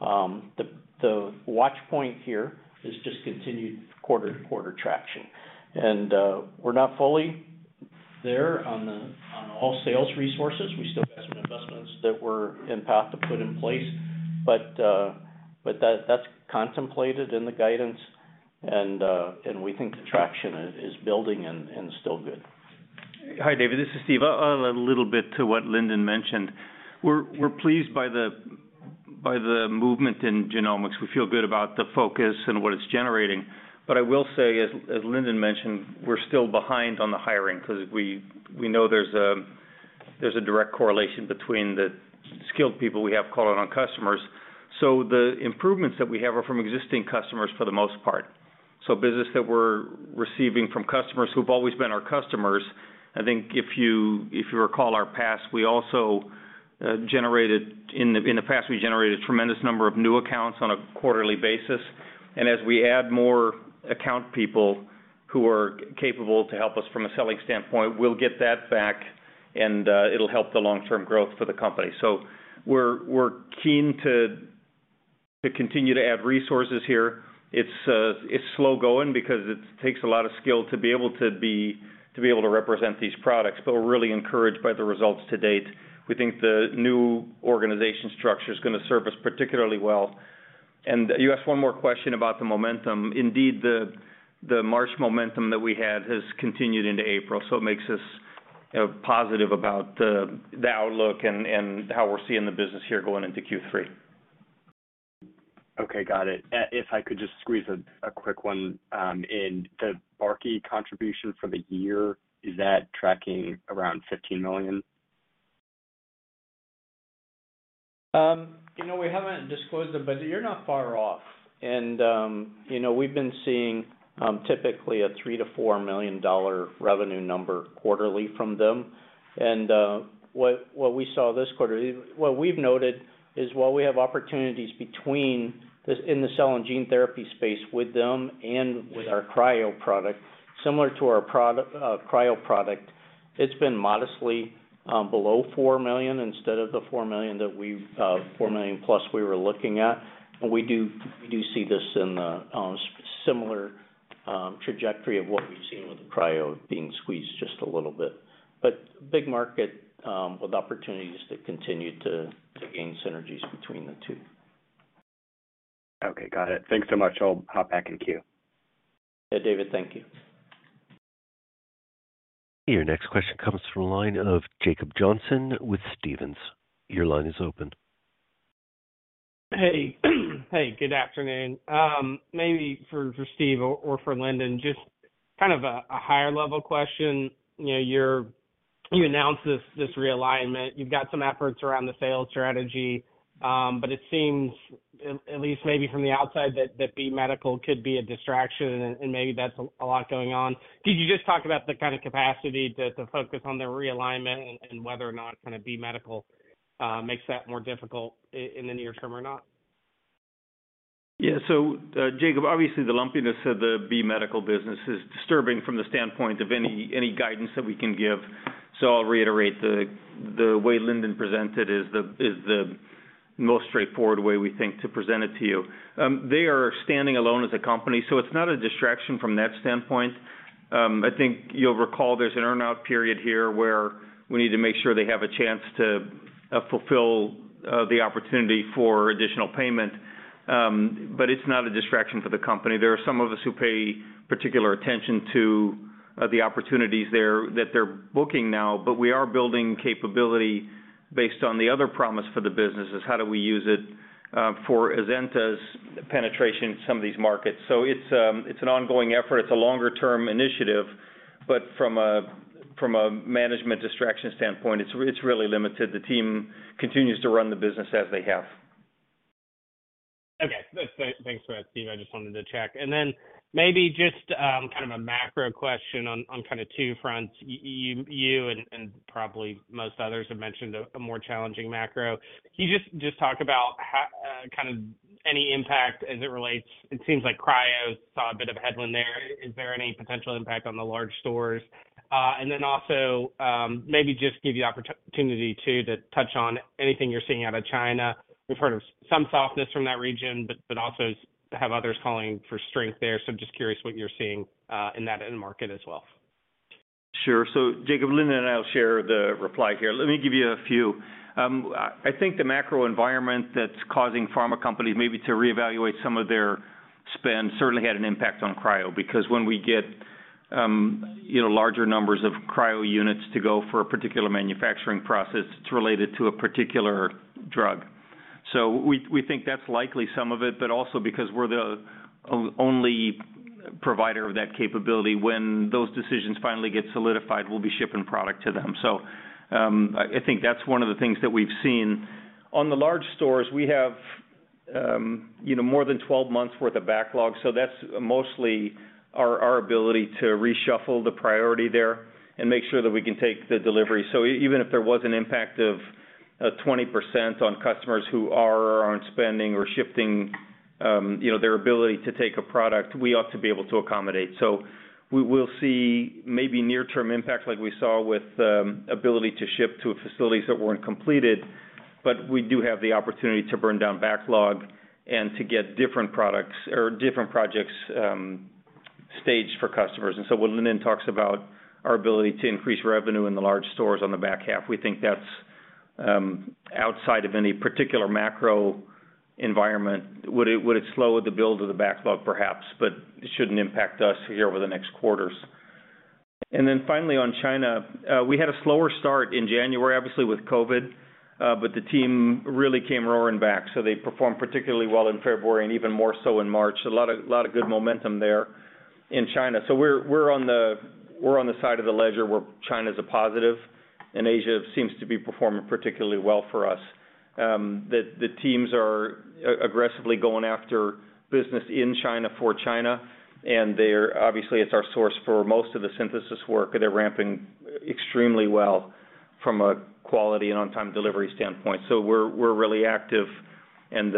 the watch point here is just continued quarter-to-quarter traction. We're not fully there on all sales resources. We still have some investments that we're in path to put in place. That's contemplated in the guidance, and we think the traction is building and still good. Hi, David, this is Steve. I'll add a little bit to what Lindon mentioned. We're pleased by the movement in genomics. We feel good about the focus and what it's generating. I will say, as Lindon mentioned, we're still behind on the hiring 'cause we know there's a direct correlation between the skilled people we have calling on customers. The improvements that we have are from existing customers for the most part. Business that we're receiving from customers who've always been our customers, I think if you recall our past, we also generated tremendous number of new accounts on a quarterly basis. As we add more account people who are capable to help us from a selling standpoint, we'll get that back and it'll help the long-term growth for the company. We're keen to continue to add resources here. It's slow going because it takes a lot of skill to be able to represent these products, but we're really encouraged by the results to date. We think the new organization structure is gonna serve us particularly well. You asked one more question about the momentum. Indeed, the March momentum that we had has continued into April. It makes us, you know, positive about the outlook and how we're seeing the business here going into Q3. Okay, got it. If I could just squeeze a quick one in. The Barkey contribution for the year, is that tracking around $15 million? You know, we haven't disclosed it, but you're not far off. And, you know, we've been seeing typically a $3 million-$4 million revenue number quarterly from them. What we saw this quarter, what we've noted is while we have opportunities in the cell and gene therapy space with them and with our cryo product, similar to our cryo product, it's been modestly below $4 million instead of the $4 million plus we were looking at. We do see this in a similar trajectory of what we've seen with the cryo being squeezed just a little bit. But big market with opportunities to continue to gain synergies between the two. Okay, got it. Thanks so much. I'll hop back in queue. Yeah, David, thank you. Your next question comes from line of Jacob Johnson with Stephens. Your line is open. Hey. Hey, good afternoon. Maybe for Steve or for Lyndon, just kind of a higher level question. You know, you announced this realignment. You've got some efforts around the sales strategy. It seems, at least maybe from the outside, that B Medical Systems could be a distraction, and maybe that's a lot going on. Could you just talk about the kind of capacity to focus on the realignment and whether or not kind of B Medical Systems makes that more difficult in the near term or not? Jacob, obviously the lumpiness of the B Medical business is disturbing from the standpoint of any guidance that we can give. I'll reiterate, the way Lindon presented is the most straightforward way we think to present it to you. They are standing alone as a company, it's not a distraction from that standpoint. I think you'll recall there's an earn-out period here where we need to make sure they have a chance to fulfill the opportunity for additional payment. It's not a distraction for the company. There are some of us who pay particular attention to the opportunities that they're booking now, we are building capability based on the other promise for the business, is how do we use it for Azenta's penetration in some of these markets. It's an ongoing effort. It's a longer term initiative, but from a management distraction standpoint, it's really limited. The team continues to run the business as they have. Okay. That's thanks for that, Steve. I just wanted to check. Maybe just, kind of a macro question on kinda two fronts. You, and probably most others have mentioned a more challenging macro. Can you just talk about kind of any impact as it relates? It seems like cryo saw a bit of a headwind there. Is there any potential impact on the large stores? Also, maybe just give the opportunity too to touch on anything you're seeing out of China. We've heard of some softness from that region, but also have others calling for strength there, so I'm just curious what you're seeing in that end market as well. Sure. Jacob, Lindon and I will share the reply here. Let me give you a few. I think the macro environment that's causing pharma companies maybe to reevaluate some of their spend certainly had an impact on Cryo, because when we get, you know, larger numbers of Cryo units to go for a particular manufacturing process, it's related to a particular drug. We think that's likely some of it, but also because we're the only provider of that capability, when those decisions finally get solidified, we'll be shipping product to them. I think that's one of the things that we've seen. On the large Stores, we have, you know, more than 12 months worth of backlog. That's mostly our ability to reshuffle the priority there and make sure that we can take the delivery. Even if there was an impact of 20% on customers who are or aren't spending or shifting, you know, their ability to take a product, we ought to be able to accommodate. We will see maybe near-term impacts like we saw with the ability to ship to facilities that weren't completed, but we do have the opportunity to burn down backlog and to get different products or different projects staged for customers. When Lyndon talks about our ability to increase revenue in the large stores on the back half, we think that's outside of any particular macro environment. Would it slow the build of the backlog? Perhaps, but it shouldn't impact us here over the next quarters. Finally on China, we had a slower start in January, obviously with COVID, but the team really came roaring back, so they performed particularly well in February and even more so in March. A lot of good momentum there in China. We're on the side of the ledger where China's a positive, and Asia seems to be performing particularly well for us. The teams are aggressively going after business in China for China, and obviously, it's our source for most of the synthesis work. They're ramping extremely well from a quality and on-time delivery standpoint. We're really active, and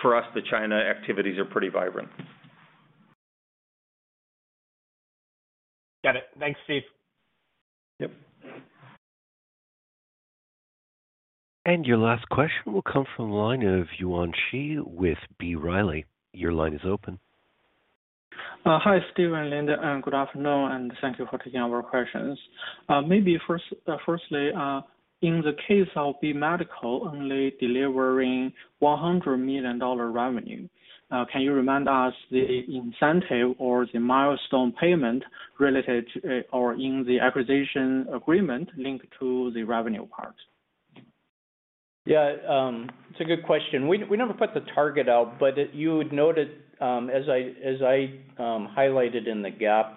for us, the China activities are pretty vibrant. Got it. Thanks, Steve. Yep. Your last question will come from the line of Yuan Zhi with B. Riley. Your line is open. Hi, Steve and Lindon, and good afternoon, and thank you for taking our questions. Maybe first, firstly, in the case of B Medical only delivering $100 million revenue, can you remind us the incentive or the milestone payment related to, or in the acquisition agreement linked to the revenue part? Yeah, it's a good question. We never put the target out, but you would note it, as I highlighted in the GAAP,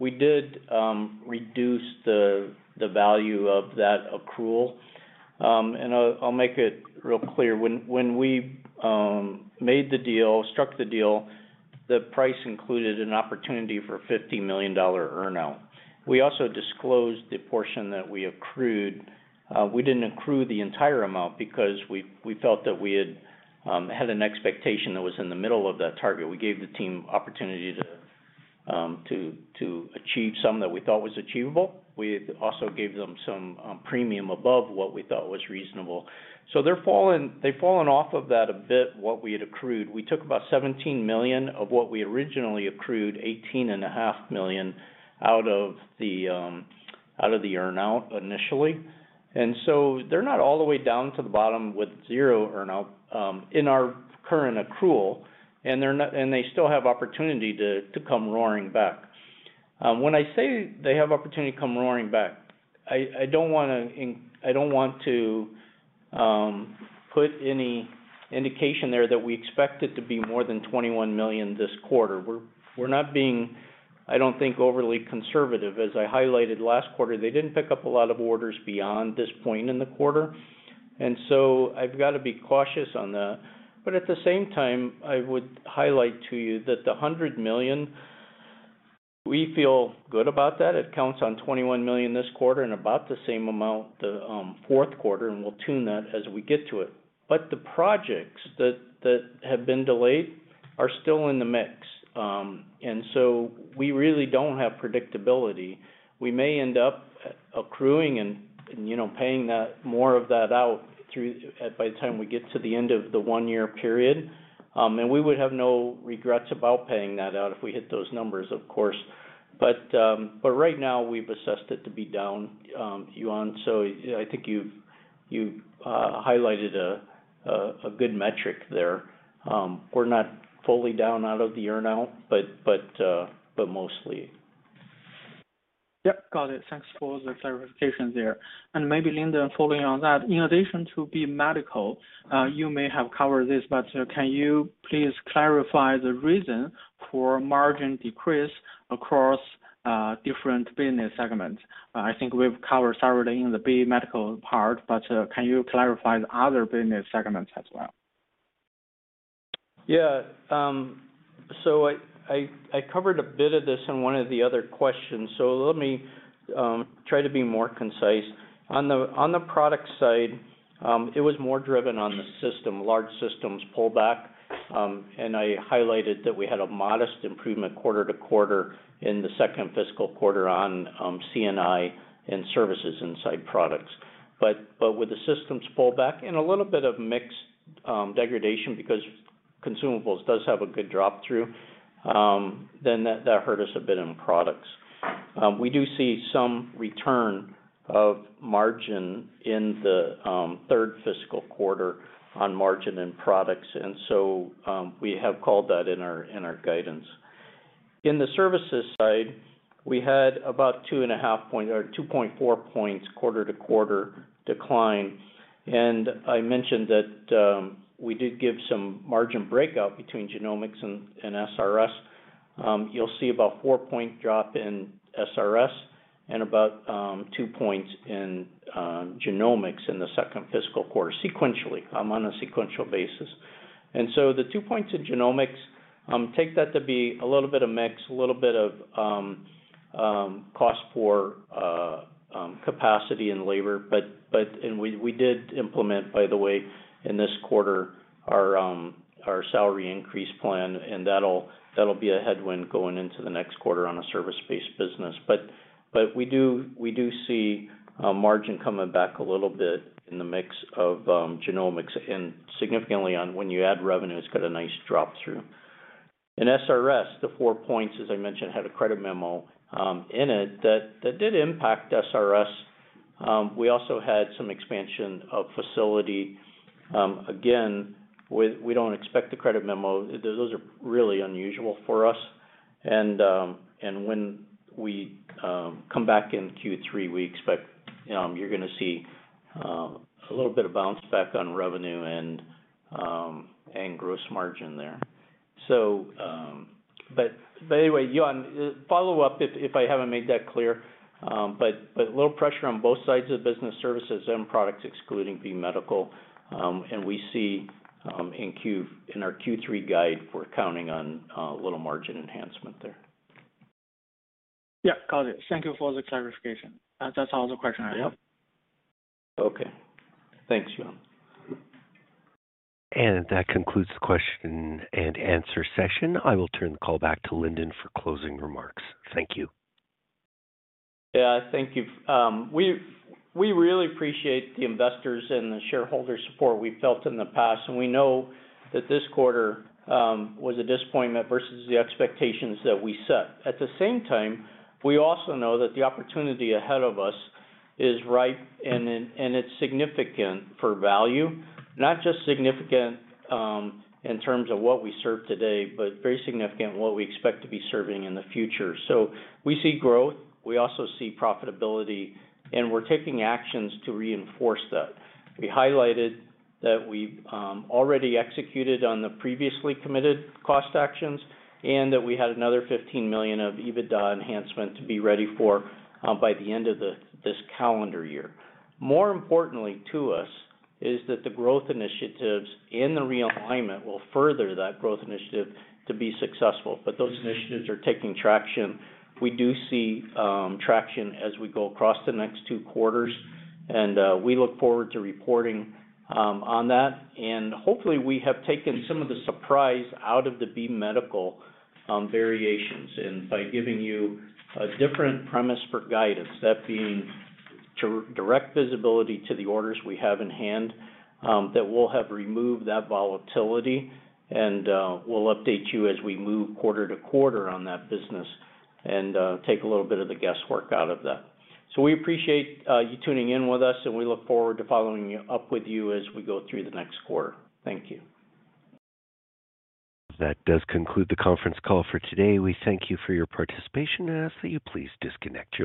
we did reduce the value of that accrual. I'll make it real clear. When we made the deal, struck the deal, the price included an opportunity for a $50 million earn-out. We also disclosed the portion that we accrued. We didn't accrue the entire amount because we felt that we had had an expectation that was in the middle of that target. We gave the team opportunity to achieve some that we thought was achievable. We also gave them some premium above what we thought was reasonable. They're fallen, they've fallen off of that a bit, what we had accrued. We took about $17 million of what we originally accrued, $18.5 million out of the out of the earn-out initially. They're not all the way down to the bottom with 0 earn-out in our current accrual, and they still have opportunity to come roaring back. When I say they have opportunity to come roaring back, I don't want to put any indication there that we expect it to be more than $21 million this quarter. We're, we're not being, I don't think, overly conservative. As I highlighted last quarter, they didn't pick up a lot of orders beyond this point in the quarter, I've got to be cautious on that. At the same time, I would highlight to you that the $100 million, we feel good about that. It counts on $21 million this quarter and about the same amount the fourth quarter, and we'll tune that as we get to it. The projects that have been delayed are still in the mix. We really don't have predictability. We may end up accruing and, you know, paying that, more of that out through by the time we get to the end of the 1-year period. We would have no regrets about paying that out if we hit those numbers, of course. Right now, we've assessed it to be down, Yuan. I think you've highlighted a good metric there. We're not fully down out of the earn-out, but mostly. Yep, got it. Thanks for the clarification there. Maybe Lindon following on that. In addition to B Medical, you may have covered this, but can you please clarify the reason for margin decrease across- Different business segments. I think we've covered thoroughly in the B Medical part. Can you clarify the other business segments as well? Yeah. I covered a bit of this in one of the other questions, so let me try to be more concise. On the product side, it was more driven on the system, large systems pullback. I highlighted that we had a modest improvement quarter-over-quarter in the second fiscal quarter on C&I and services inside products. With the systems pullback and a little bit of mix degradation because consumables does have a good drop through, then that hurt us a bit in products. We do see some return of margin in the third fiscal quarter on margin and products, and so we have called that in our guidance. In the services side, we had about 2.5 points or 2.4 points quarter-to-quarter decline. I mentioned that, we did give some margin breakout between genomics and SRS. You'll see about 4 point drop in SRS and about 2 points in genomics in the second fiscal quarter sequentially on a sequential basis. The 2 points in genomics, take that to be a little bit of mix, a little bit of cost for capacity and labor, but we did implement, by the way, in this quarter our salary increase plan, and that'll be a headwind going into the next quarter on a service-based business. We do see margin coming back a little bit in the mix of genomics and significantly on when you add revenues, got a nice drop through. In SRS, the 4 points, as I mentioned, had a credit memo in it that did impact SRS. We also had some expansion of facility. Again, we don't expect the credit memo. Those are really unusual for us. When we come back in Q3, we expect you're gonna see a little bit of bounce back on revenue and gross margin there. Anyway, Yuan, follow up if I haven't made that clear. A little pressure on both sides of the business, services and products, excluding B Medical. We see, in our Q3 guide, we're counting on a little margin enhancement there. Yeah, got it. Thank you for the clarification. That's all the question I have. Okay. Thanks, Yuan. That concludes the question-and-answer session. I will turn the call back to Lindon for closing remarks. Thank you. Yeah. Thank you. We really appreciate the investors and the shareholder support we felt in the past, and we know that this quarter was a disappointment versus the expectations that we set. At the same time, we also know that the opportunity ahead of us is ripe and it's significant for value. Not just significant, in terms of what we serve today, but very significant in what we expect to be serving in the future. We see growth, we also see profitability, and we're taking actions to reinforce that. We highlighted that we already executed on the previously committed cost actions, and that we had another $15 million of EBITDA enhancement to be ready for by the end of this calendar year. More importantly to us is that the growth initiatives and the realignment will further that growth initiative to be successful. Those initiatives are taking traction. We do see traction as we go across the next two quarters, we look forward to reporting on that. Hopefully, we have taken some of the surprise out of the B Medical variations. By giving you a different premise for guidance, that being direct visibility to the orders we have in hand, that we'll have removed that volatility. We'll update you as we move quarter to quarter on that business and take a little bit of the guesswork out of that. We appreciate you tuning in with us, and we look forward to following you up with you as we go through the next quarter. Thank you. That does conclude the conference call for today. We thank you for your participation and ask that you please disconnect your line